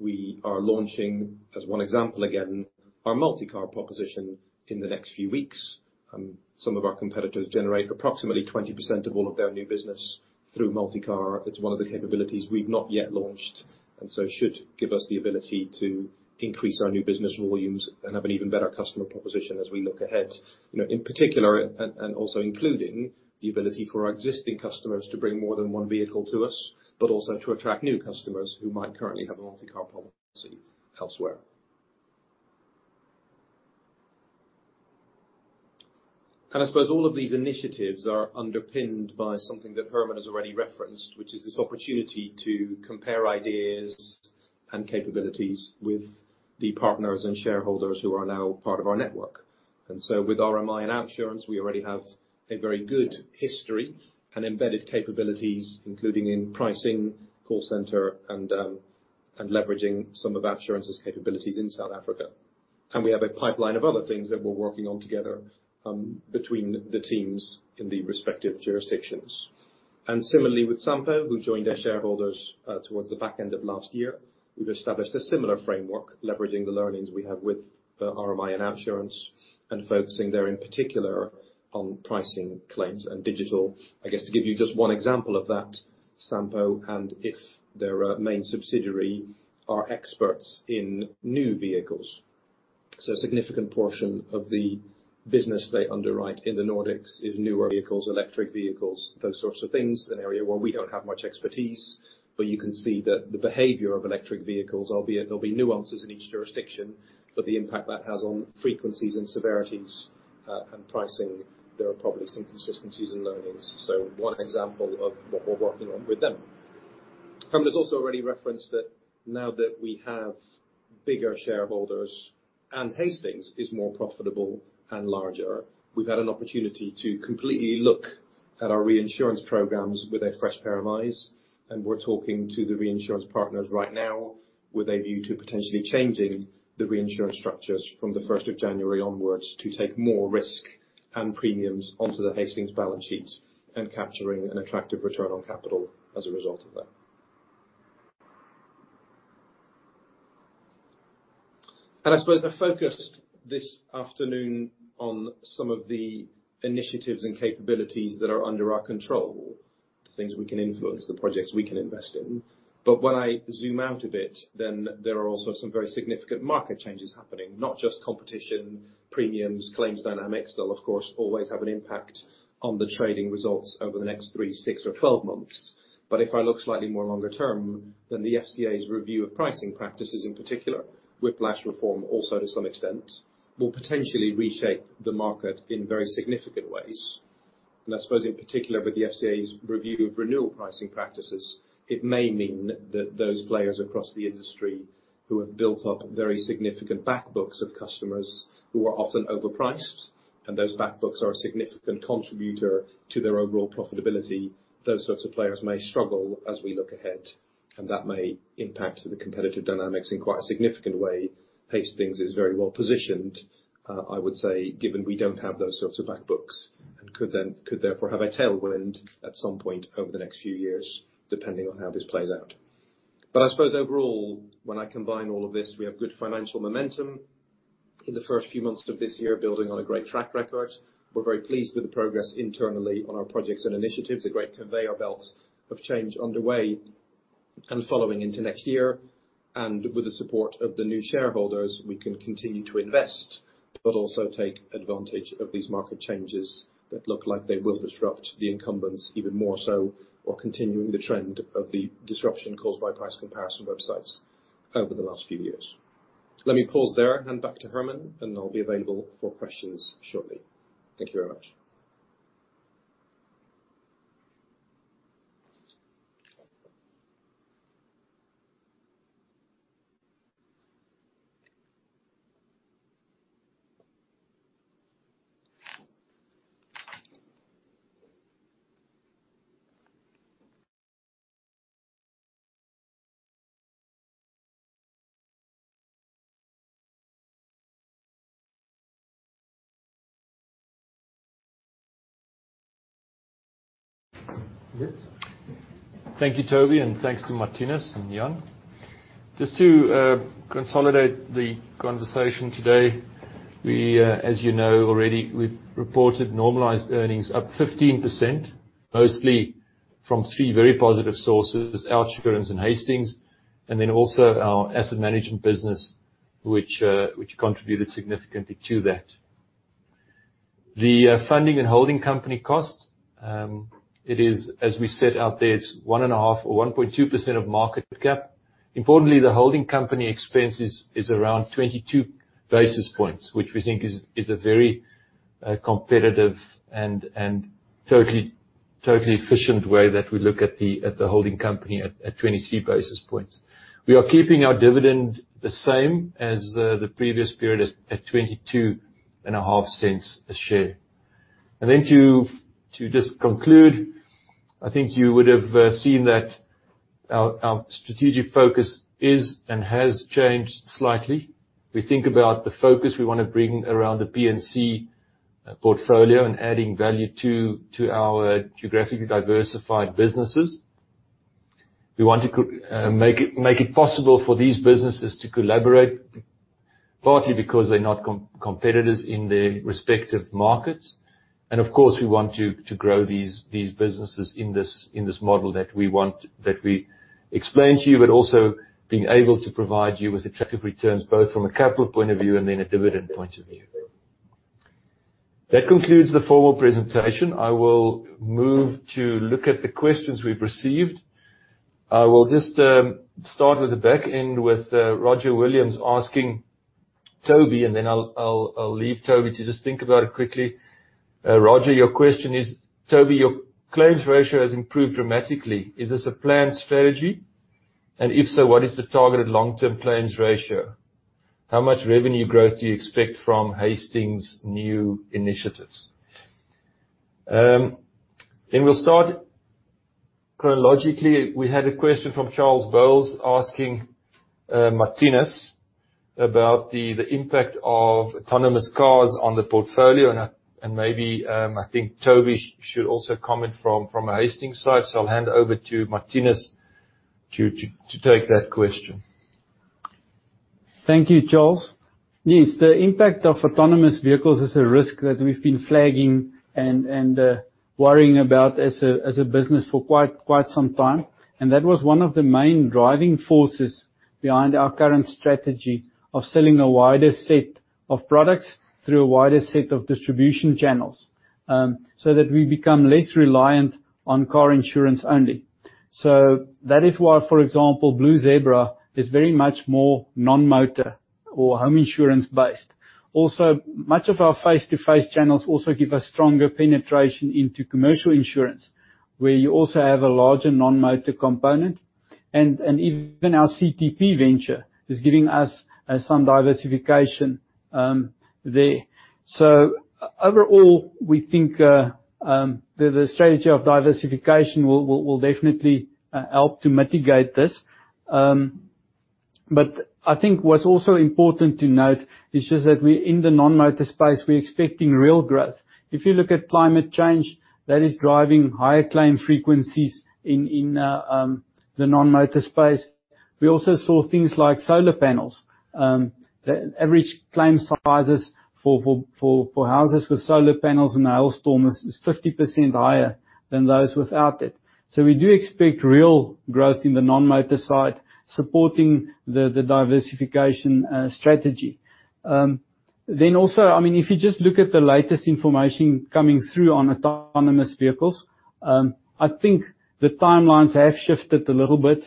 we are launching, as one example again, our multi-car proposition in the next few weeks. Some of our competitors generate approximately 20% of all of their new business through multi-car. It's one of the capabilities we've not yet launched, should give us the ability to increase our new business volumes and have an even better customer proposition as we look ahead. In particular, also including the ability for our existing customers to bring more than one vehicle to us, but also to attract new customers who might currently have a multi-car policy elsewhere. I suppose all of these initiatives are underpinned by something that Herman has already referenced, which is this opportunity to compare ideas and capabilities with the partners and shareholders who are now part of our network. With RMI and OUTsurance, we already have a very good history and embedded capabilities, including in pricing, call center, and leveraging some of OUTsurance's capabilities in South Africa. We have a pipeline of other things that we're working on together between the teams in the respective jurisdictions. Similarly, with Sampo, who joined our shareholders towards the back end of last year, we've established a similar framework leveraging the learnings we have with the RMI and OUTsurance and focusing there in particular on pricing claims and digital. I guess to give you just one example of that, Sampo and If their main subsidiary are experts in new vehicles. A significant portion of the business they underwrite in the Nordics is newer vehicles, electric vehicles, those sorts of things, an area where we don't have much expertise. You can see that the behavior of electric vehicles, albeit there'll be nuances in each jurisdiction, the impact that has on frequencies and severities and pricing, there are probably some consistencies and learnings. One example of what we're working on with them. There's also already reference that now that we have bigger shareholders and Hastings is more profitable and larger, we've had an opportunity to completely look at our reinsurance programs with a fresh pair of eyes. We're talking to the reinsurance partners right now with a view to potentially changing the reinsurance structures from the 1st of January onwards to take more risk and premiums onto the Hastings balance sheet and capturing an attractive return on capital as a result of that. I suppose I focused this afternoon on some of the initiatives and capabilities that are under our control, things we can influence, the projects we can invest in. When I zoom out a bit, there are also some very significant market changes happening, not just competition, premiums, claims dynamics. They will of course, always have an impact on the trading results over the next three, six, or 12 months. If I look slightly more longer term, the FCA's review of pricing practices in particular, Whiplash reform also to some extent, will potentially reshape the market in very significant ways. I suppose in particular with the FCA's review of renewal pricing practices, it may mean that those players across the industry who have built up very significant back books of customers who are often overpriced, and those back books are a significant contributor to their overall profitability. Those sorts of players may struggle as we look ahead, and that may impact the competitive dynamics in quite a significant way. Hastings is very well-positioned, I would say, given we don't have those sorts of back books and could therefore have a tailwind at some point over the next few years, depending on how this plays out. I suppose overall, when I combine all of this, we have good financial momentum. In the first few months of this year, building on a great track record. We're very pleased with the progress internally on our projects and initiatives, a great conveyor belt of change underway and following into next year. With the support of the new shareholders, we can continue to invest, but also take advantage of these market changes that look like they will disrupt the incumbents even more so, or continuing the trend of the disruption caused by price comparison websites over the last few years. Let me pause there and hand back to Herman, and I'll be available for questions shortly. Thank you very much. Yes. Thank you, Toby, and thanks to Marthinus and Jan. Just to consolidate the conversation today, as you know already, we've reported normalized earnings up 15%, mostly from three very positive sources, OUTsurance and Hastings, and then also our asset management business, which contributed significantly to that. The funding and holding company cost, it is, as we set out there, it's 1.5% or 1.2% of market cap. Importantly, the holding company expenses is around 22 basis points, which we think is a very competitive and totally efficient way that we look at the holding company at 22 basis points. We are keeping our dividend the same as the previous period is at 0.225 a share. To just conclude, I think you would have seen that our strategic focus is and has changed slightly. We think about the focus we want to bring around the P&C portfolio and adding value to our geographically diversified businesses. We want to make it possible for these businesses to collaborate, partly because they're not competitors in their respective markets. Of course, we want to grow these businesses in this model that we explained to you, but also being able to provide you with attractive returns, both from a capital point of view and then a dividend point of view. That concludes the formal presentation. I will move to look at the questions we've received. I will just start with the back end with Roger Williams asking Toby, then I'll leave Toby to just think about it quickly. Roger, your question is, "Toby, your claims ratio has improved dramatically. Is this a planned strategy? If so, what is the targeted long-term claims ratio? How much revenue growth do you expect from Hastings' new initiatives?" Then we'll start chronologically. We had a question from Charles Bowles asking Marthinus about the impact of autonomous cars on the portfolio, and maybe, I think Toby should also comment from a Hastings side. So I'll hand over to Marthinus to take that question. Thank you, Charles. Yes, the impact of autonomous vehicles is a risk that we've been flagging and worrying about as a business for quite some time. That was one of the main driving forces behind our current strategy of selling a wider set of products through a wider set of distribution channels, so that we become less reliant on car insurance only. So that is why, for example, Blue Zebra is very much more non-motor or home insurance based. Also, much of our face-to-face channels also give us stronger penetration into commercial insurance, where you also have a larger non-motor component. Even our CTP venture is giving us some diversification there. So overall, we think the strategy of diversification will definitely help to mitigate this. But I think what's also important to note is just that in the non-motor space, we're expecting real growth. If you look at climate change, that is driving higher claim frequencies in the non-motor space. We also saw things like solar panels. The average claim sizes for houses with solar panels in a hailstorm is 50% higher than those without it. We do expect real growth in the non-motor side, supporting the diversification strategy. If you just look at the latest information coming through on autonomous vehicles, I think the timelines have shifted a little bit.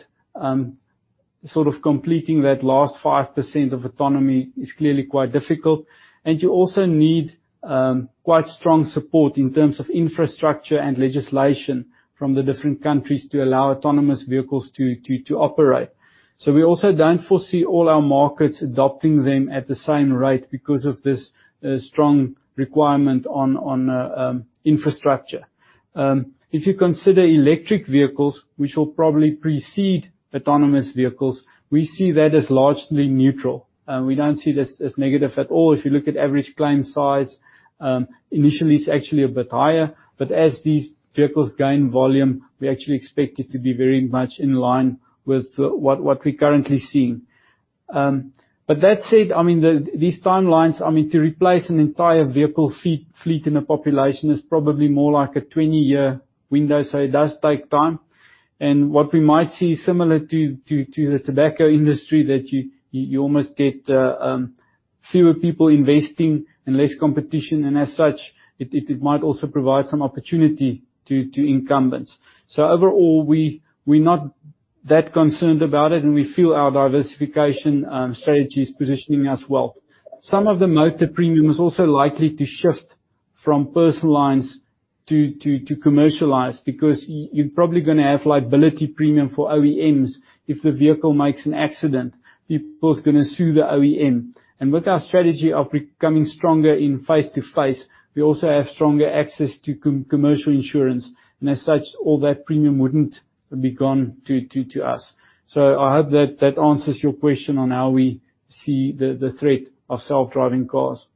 Sort of completing that last 5% of autonomy is clearly quite difficult. You also need quite strong support in terms of infrastructure and legislation from the different countries to allow autonomous vehicles to operate. We also don't foresee all our markets adopting them at the same rate because of this strong requirement on infrastructure. If you consider electric vehicles, which will probably precede autonomous vehicles, we see that as largely neutral. We don't see this as negative at all. If you look at average claim size, initially it's actually a bit higher. As these vehicles gain volume, we actually expect it to be very much in line with what we're currently seeing. That said, these timelines, to replace an entire vehicle fleet in a population is probably more like a 20-year window. It does take time. What we might see similar to the tobacco industry, that you almost get fewer people investing and less competition, and as such, it might also provide some opportunity to incumbents. Overall, we're not that concerned about it, and we feel our diversification strategy is positioning us well. Some of the motor premium is also likely to shift from personal lines to commercial lines because you're probably going to have liability premium for OEMs if the vehicle makes an accident. People's going to sue the OEM. With our strategy of becoming stronger in face-to-face, we also have stronger access to commercial insurance. All that premium wouldn't be gone to us. I hope that answers your question on how we see the threat of self-driving cars.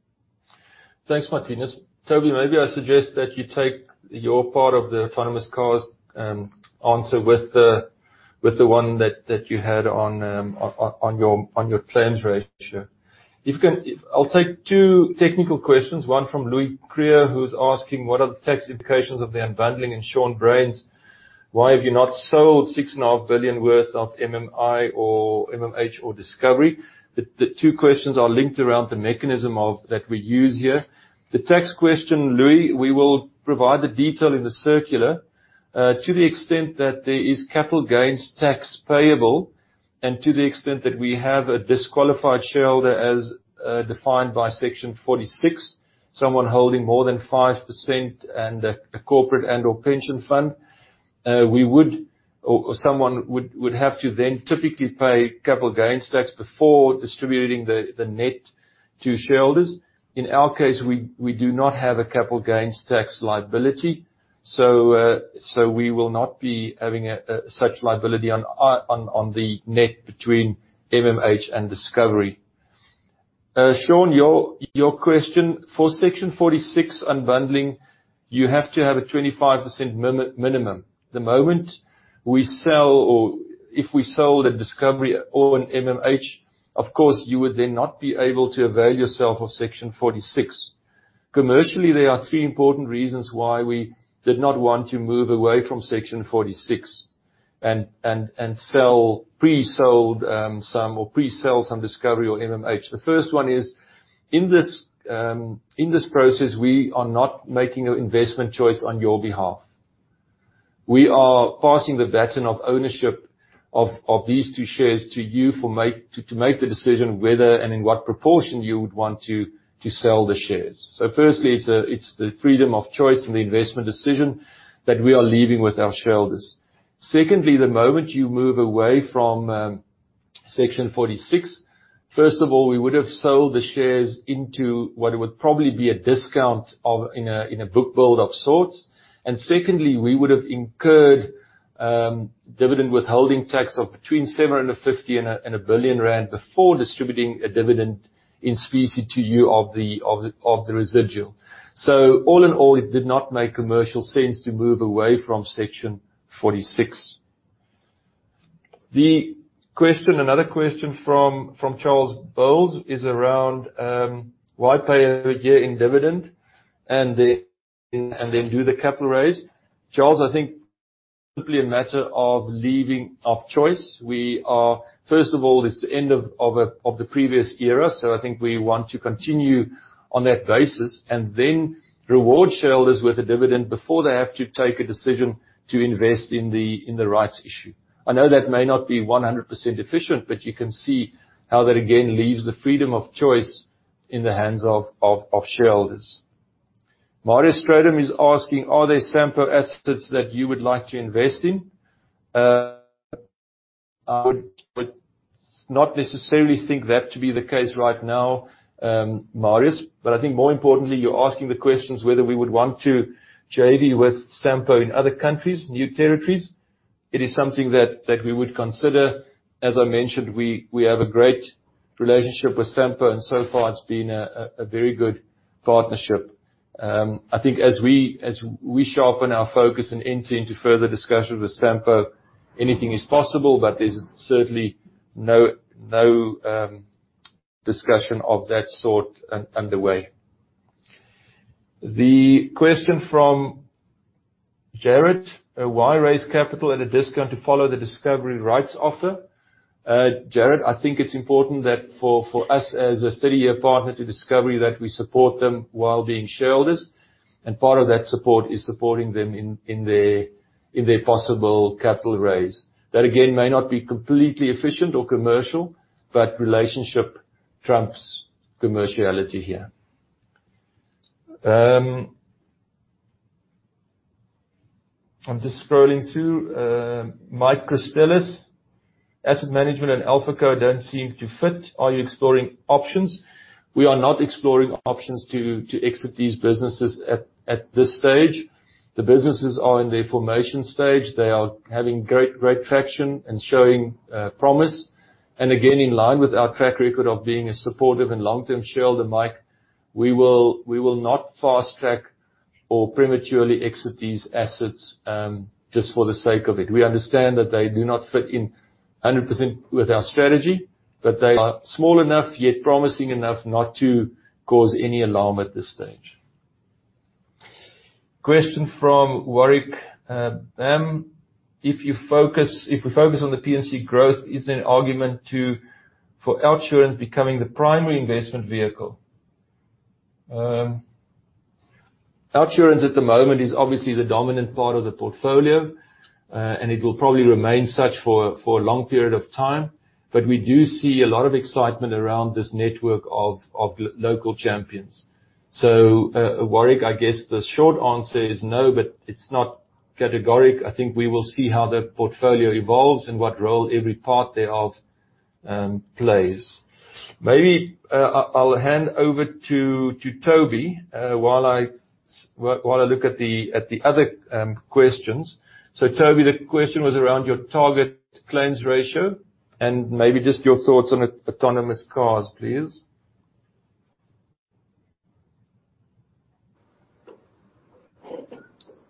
Thanks, Marthinus. Toby, maybe I suggest that you take your part of the autonomous cars answer with the one that you had on your claims ratio. I'll take two technical questions. One from Louis van der Merwe, who's asking, "What are the tax implications of the unbundling?" Sean Brains, "Why have you not sold 6.5 billion worth of MMI or MMH or Discovery?" The two questions are linked around the mechanism that we use here. The tax question, Louis, we will provide the detail in the circular. To the extent that there is capital gains tax payable, and to the extent that we have a disqualified shareholder as defined by Section 46, someone holding more than 5% and a corporate and/or pension fund. Someone would have to then typically pay capital gains tax before distributing the net to shareholders. In our case, we do not have a capital gains tax liability. We will not be having such liability on the net between MMH and Discovery. Sean, your question. For Section 46 unbundling, you have to have a 25% minimum. The moment we sell or if we sold a Discovery or an MMH, of course, you would then not be able to avail yourself of Section 46. Commercially, there are three important reasons why we did not want to move away from Section 46 and pre-sell some Discovery or MMH. The first one is, in this process, we are not making an investment choice on your behalf. We are passing the baton of ownership of these two shares to you to make the decision whether and in what proportion you would want to sell the shares. Firstly, it's the freedom of choice and the investment decision that we are leaving with our shareholders. Secondly, the moment you move away from Section 46, first of all, we would have sold the shares into what would probably be a discount in a book build of sorts. Secondly, we would have incurred dividend withholding tax of between 750 million and 1 billion rand before distributing a dividend in specie to you of the residual. All in all, it did not make commercial sense to move away from Section 46. Another question from Charles Bowles is around why pay a year-end dividend and then do the capital raise. Charles, I think simply a matter of leaving of choice. First of all, it's the end of the previous era. I think we want to continue on that basis and then reward shareholders with a dividend before they have to take a decision to invest in the rights issue. I know that may not be 100% efficient, but you can see how that again leaves the freedom of choice in the hands of shareholders. Marius Strydom is asking, are there Sampo assets that you would like to invest in? I would not necessarily think that to be the case right now, Marius. I think more importantly, you're asking the questions whether we would want to JV with Sampo in other countries, new territories. It is something that we would consider. As I mentioned, we have a great relationship with Sampo, and so far it's been a very good partnership. I think as we sharpen our focus and enter into further discussions with Sampo, anything is possible, but there's certainly no discussion of that sort underway. The question from Jared, why raise capital at a discount to follow the Discovery rights offer? Jared, I think it's important that for us as a 30-year partner to Discovery, that we support them while being shareholders, and part of that support is supporting them in their possible capital raise. That, again, may not be completely efficient or commercial, but relationship trumps commerciality here. I'm just scrolling through. Mike Christelis, asset management and AlphaCode don't seem to fit. Are you exploring options? We are not exploring options to exit these businesses at this stage. The businesses are in their formation stage. They are having great traction and showing promise. In line with our track record of being a supportive and long-term shareholder, Mike, we will not fast track or prematurely exit these assets, just for the sake of it. We understand that they do not fit in 100% with our strategy, but they are small enough, yet promising enough, not to cause any alarm at this stage. Question from Warwick. If we focus on the P&C growth, is there an argument for OUTsurance becoming the primary investment vehicle? OUTsurance at the moment is obviously the dominant part of the portfolio, and it will probably remain such for a long period of time. We do see a lot of excitement around this network of local champions. Warwick, I guess the short answer is no, but it's not categoric. I think we will see how the portfolio evolves and what role every part thereof plays. Maybe I'll hand over to Toby while I look at the other questions. Toby, the question was around your target claims ratio, and maybe just your thoughts on autonomous cars, please.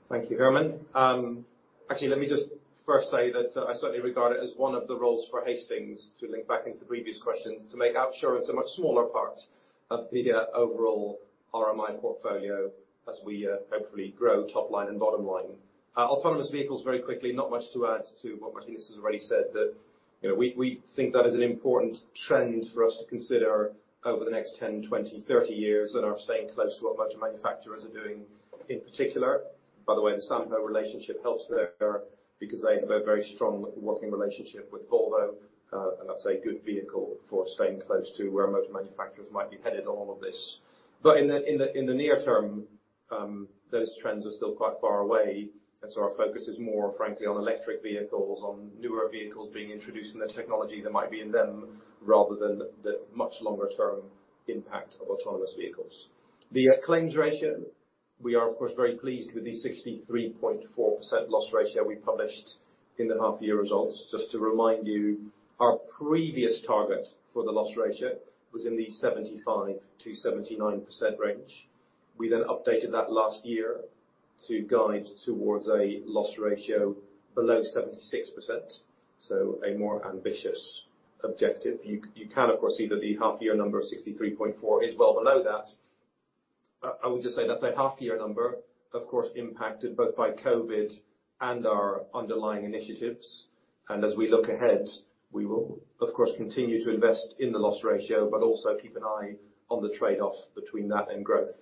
Thank you, Herman. Actually, let me just first say that I certainly regard it as one of the roles for Hastings to link back into the previous questions, to make OUTsurance a much smaller part of the overall RMI portfolio as we hopefully grow top line and bottom line. Autonomous vehicles very quickly, not much to add to what Marthinus has already said. That we think that is an important trend for us to consider over the next 10, 20, 30 years and are staying close to what motor manufacturers are doing in particular. By the way, the Sampo relationship helps there because they have a very strong working relationship with Volvo. That's a good vehicle for staying close to where motor manufacturers might be headed on all of this. In the near term, those trends are still quite far away, our focus is more, frankly, on electric vehicles, on newer vehicles being introduced and the technology that might be in them, rather than the much longer-term impact of autonomous vehicles. The claims ratio, we are of course, very pleased with the 63.4% loss ratio we published in the half year results. Just to remind you, our previous target for the loss ratio was in the 75%-79% range. We updated that last year to guide towards a loss ratio below 76%. A more ambitious objective. You can, of course, see that the half year number of 63.4 is well below that. I would just say that's a half year number, of course, impacted both by Covid and our underlying initiatives. As we look ahead, we will of course continue to invest in the loss ratio, but also keep an eye on the trade-off between that and growth.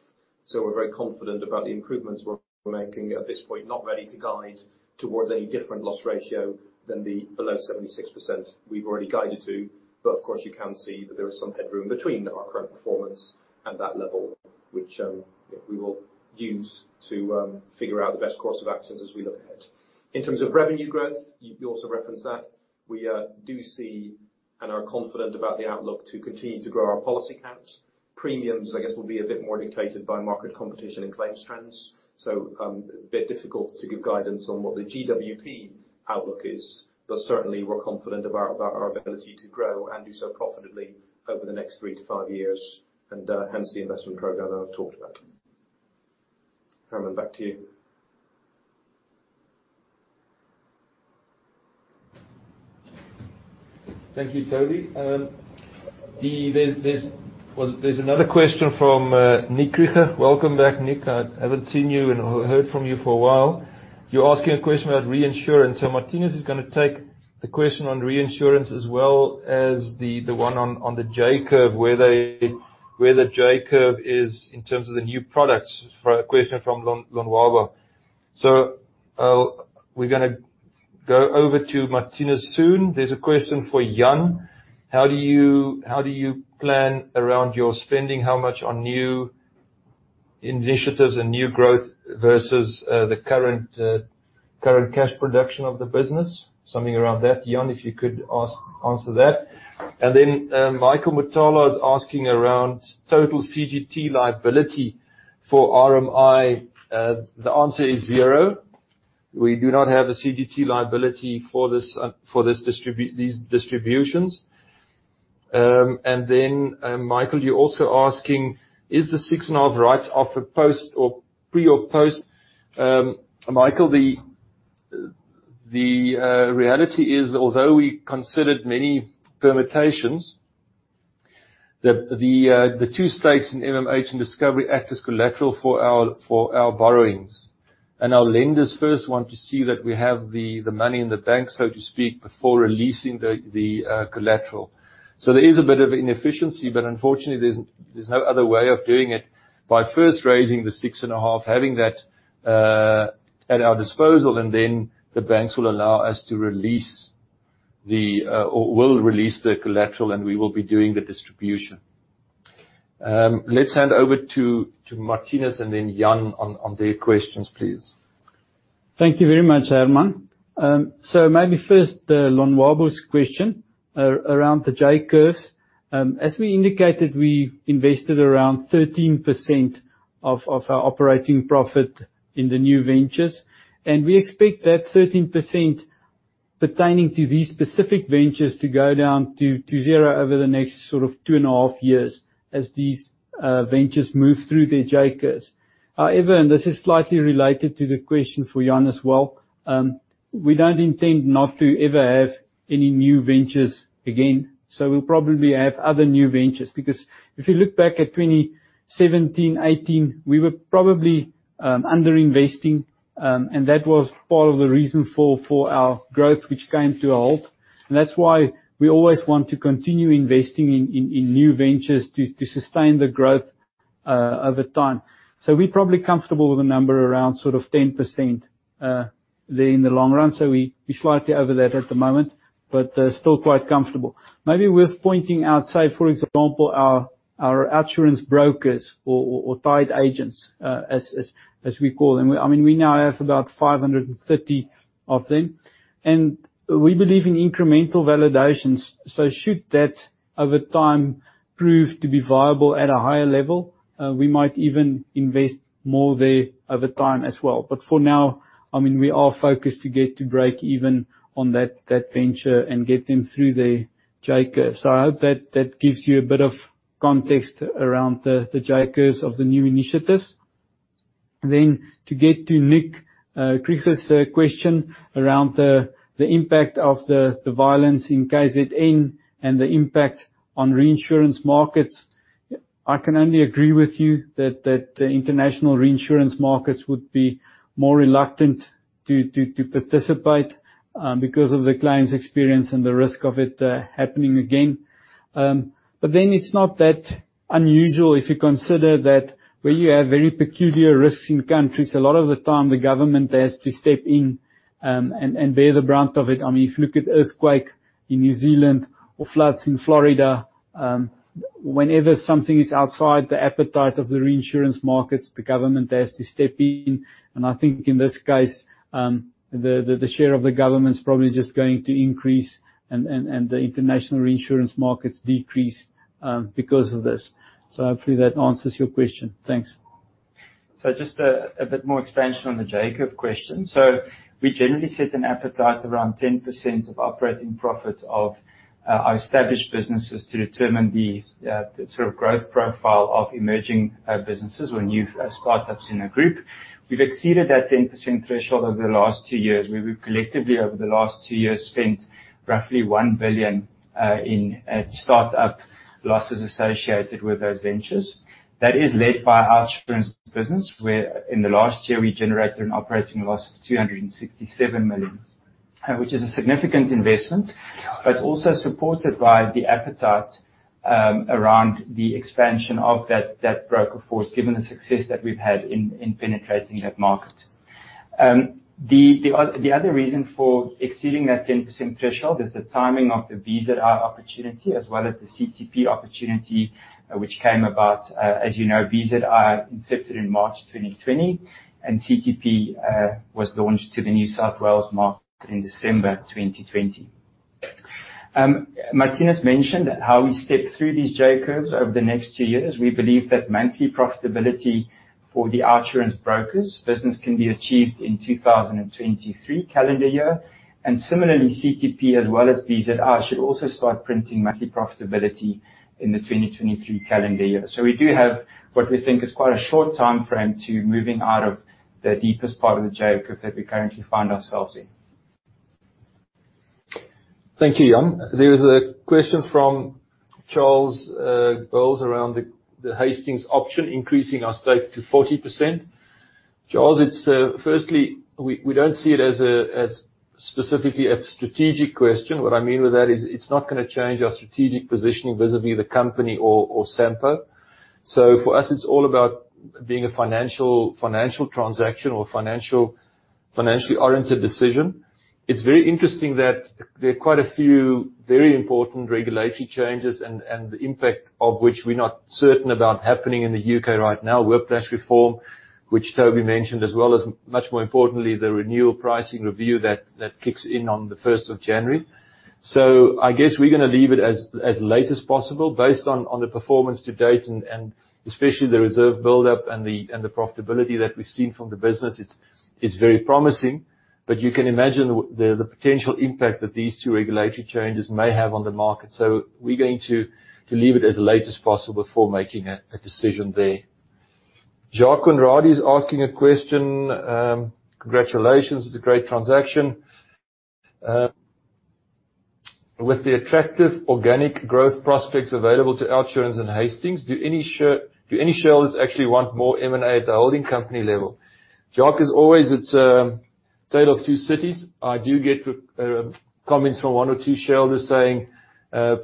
We're very confident about the improvements we're making. At this point, not ready to guide towards any different loss ratio than the below 76% we've already guided to. Of course, you can see that there is some headroom between our current performance and that level, which we will use to figure out the best course of actions as we look ahead. In terms of revenue growth, you also referenced that. We do see and are confident about the outlook to continue to grow our policy counts. Premiums, I guess, will be a bit more dictated by market competition and claims trends. A bit difficult to give guidance on what the GWP outlook is, but certainly we're confident about our ability to grow and do so profitably over the next three to five years. Hence the investment program that I've talked about. Herman, back to you. Thank you, Toby. There's another question from Nick Kruger. Welcome back, Nick. I haven't seen you and heard from you for a while. You're asking a question about reinsurance. Martinez is going to take the question on reinsurance as well as the one on the J curve, where the J curve is in terms of the new products. A question from Lwabo. We're going to go over to Martinez soon. There's a question for Jan. How do you plan around your spending? How much on new initiatives and new growth versus the current cash production of the business? Something around that, Jan, if you could answer that. Michael Matsetela is asking around total CGT liability for RMI. The answer is zero. We do not have a CGT liability for these distributions. Michael, you're also asking is the six and a half rights offer pre or post? Michael, the reality is, although we considered many permutations, the two stakes in MMH and Discovery act as collateral for our borrowings. Our lenders first want to see that we have the money in the bank, so to speak, before releasing the collateral. There is a bit of inefficiency, but unfortunately, there's no other way of doing it by first raising the six and a half, having that at our disposal, and then the banks will allow us to release the, or will release the collateral, and we will be doing the distribution. Let's hand over to Martinez and then Jan on their questions, please. Thank you very much, Herman. Maybe first, Lonwabo's question around the J curves. As we indicated, we invested around 13% of our operating profit in the new ventures. We expect that 13% pertaining to these specific ventures to go down to zero over the next sort of two and a half years as these ventures move through their J curves. However, this is slightly related to the question for Jan as well, we don't intend not to ever have any new ventures again. We'll probably have other new ventures, because if you look back at 2017, 2018, we were probably under-investing, and that was part of the reason for our growth, which came to a halt. That's why we always want to continue investing in new ventures to sustain the growth over time. We're probably comfortable with a number around sort of 10% there in the long run. We're slightly over that at the moment, but still quite comfortable. Maybe worth pointing out, say, for example, our OUTsurance Brokers or tied agents, as we call them. I mean, we now have about 530 of them. We believe in incremental validations. Should that, over time, prove to be viable at a higher level, we might even invest more there over time as well. For now, I mean, we are focused to get to break even on that venture and get them through their J curve. I hope that gives you a bit of context around the J curves of the new initiatives. To get to Nick Kruger's question around the impact of the violence in KZN and the impact on reinsurance markets. I can only agree with you that the international reinsurance markets would be more reluctant to participate because of the claims experience and the risk of it happening again. It's not that unusual if you consider that where you have very peculiar risks in countries, a lot of the time the government has to step in and bear the brunt of it. I mean, if you look at earthquake in New Zealand or floods in Florida, whenever something is outside the appetite of the reinsurance markets, the government has to step in. I think in this case, the share of the government's probably just going to increase and the international reinsurance markets decrease because of this. Hopefully that answers your question. Thanks. Just a bit more expansion on the J curve question. We generally set an appetite around 10% of operating profit of our established businesses to determine the sort of growth profile of emerging businesses or new startups in a group. We've exceeded that 10% threshold over the last two years, where we've collectively over the last two years spent roughly 1 billion in startup losses associated with those ventures. That is led by our insurance business, where in the last year, we generated an operating loss of 267 million, which is a significant investment. Also supported by the appetite around the expansion of that broker force, given the success that we've had in penetrating that market. The other reason for exceeding that 10% threshold is the timing of the BZI opportunity as well as the CTP opportunity, which came about. As you know, BZI incepted in March 2020, and CTP was launched to the New South Wales market in December 2020. Marthinus Visser mentioned how we step through these J curves over the next two years. We believe that monthly profitability for the OUTsurance Brokers business can be achieved in 2023 calendar year. Similarly, CTP as well as BZI should also start printing monthly profitability in the 2023 calendar year. We do have what we think is quite a short timeframe to moving out of the deepest part of the J curve that we currently find ourselves in. Thank you, Jan Hofmeyr. There is a question from Charles Bowles around the Hastings option increasing our stake to 40%. Charles, firstly, we don't see it as specifically a strategic question. What I mean with that is it's not gonna change our strategic positioning vis-à-vis the company or Sampo. For us, it's all about being a financial transaction or financially oriented decision. It's very interesting that there are quite a few very important regulatory changes, and the impact of which we're not certain about happening in the U.K. right now. Whiplash reform, which Toby van der Meer mentioned, as well as much more importantly, the renewal pricing review that kicks in on the 1st of January. I guess we're going to leave it as late as possible based on the performance to date and especially the reserve buildup and the profitability that we've seen from the business. It's very promising. You can imagine the potential impact that these two regulatory changes may have on the market. We're going to leave it as late as possible before making a decision there. Jacques Conradie is asking a question. "Congratulations. It's a great transaction. With the attractive organic growth prospects available to OUTsurance and Hastings, do any shareholders actually want more M&A at the holding company level?" Jacques, as always, it's a tale of two cities. I do get comments from one or two shareholders saying,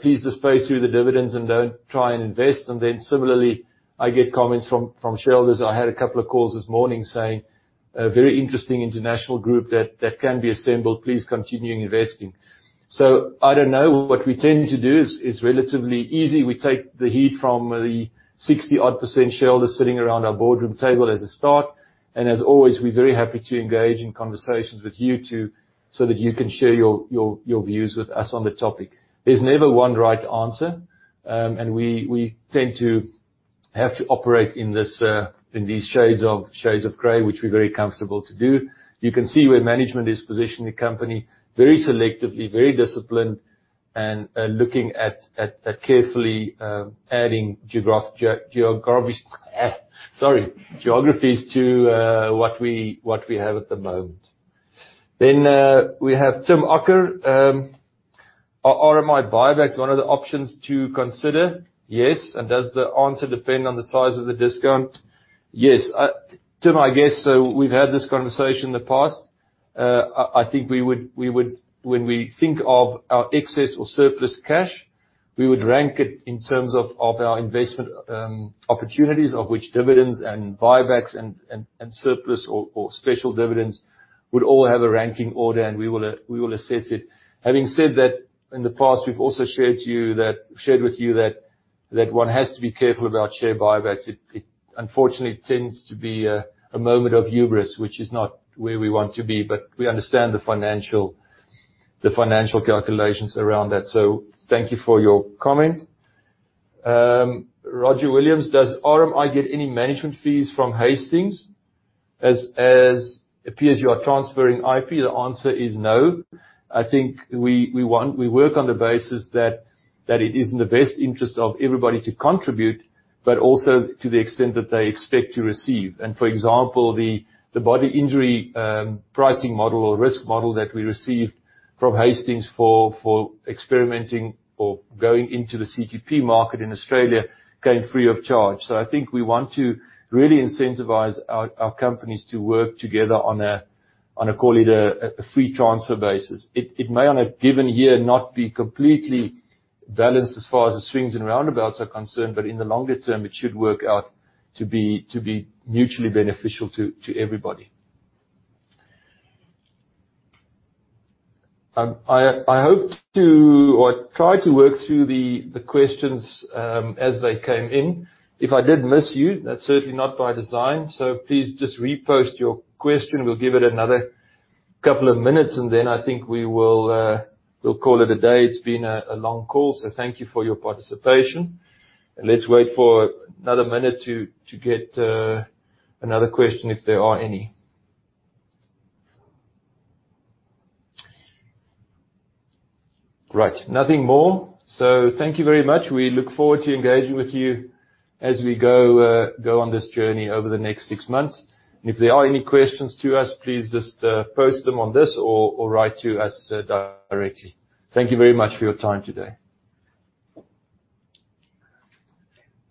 "Please just pay through the dividends and don't try and invest." Similarly, I get comments from shareholders. I had a couple of calls this morning saying, "A very interesting international group that can be assembled. Please continue investing." I don't know. What we tend to do is relatively easy. We take the heat from the 60-odd% shareholders sitting around our boardroom table as a start. As always, we're very happy to engage in conversations with you, too, so that you can share your views with us on the topic. There's never one right answer. We tend to have to operate in these shades of gray, which we're very comfortable to do. You can see where management has positioned the company very selectively, very disciplined, and looking at carefully adding geographies to what we have at the moment. We have Tim O'Connor. "Are RMI buybacks one of the options to consider?" Yes. "Does the answer depend on the size of the discount?" Yes. Tim, I guess, we've had this conversation in the past. I think when we think of our excess or surplus cash, we would rank it in terms of our investment opportunities, of which dividends and buybacks and surplus or special dividends would all have a ranking order, and we will assess it. Having said that, in the past, we've also shared with you that one has to be careful about share buybacks. It unfortunately tends to be a moment of hubris, which is not where we want to be. We understand the financial calculations around that. Thank you for your comment. Roger Williams, "Does RMI get any management fees from Hastings? As it appears you are transferring IP." The answer is no. I think we work on the basis that it is in the best interest of everybody to contribute, but also to the extent that they expect to receive. For example, the body injury pricing model or risk model that we received from Hastings for experimenting or going into the CTP market in Australia came free of charge. I think we want to really incentivize our companies to work together on a, call it, a free transfer basis. It may, on a given year, not be completely balanced as far as the swings and roundabouts are concerned, but in the longer term, it should work out to be mutually beneficial to everybody. I tried to work through the questions as they came in. If I did miss you, that's certainly not by design. Please just repost your question. We'll give it another couple of minutes and then I think we'll call it a day. It's been a long call. Thank you for your participation. Let's wait for another minute to get another question if there are any. Right. Nothing more. Thank you very much. We look forward to engaging with you as we go on this journey over the next six months. If there are any questions to us, please just post them on this or write to us directly. Thank you very much for your time today.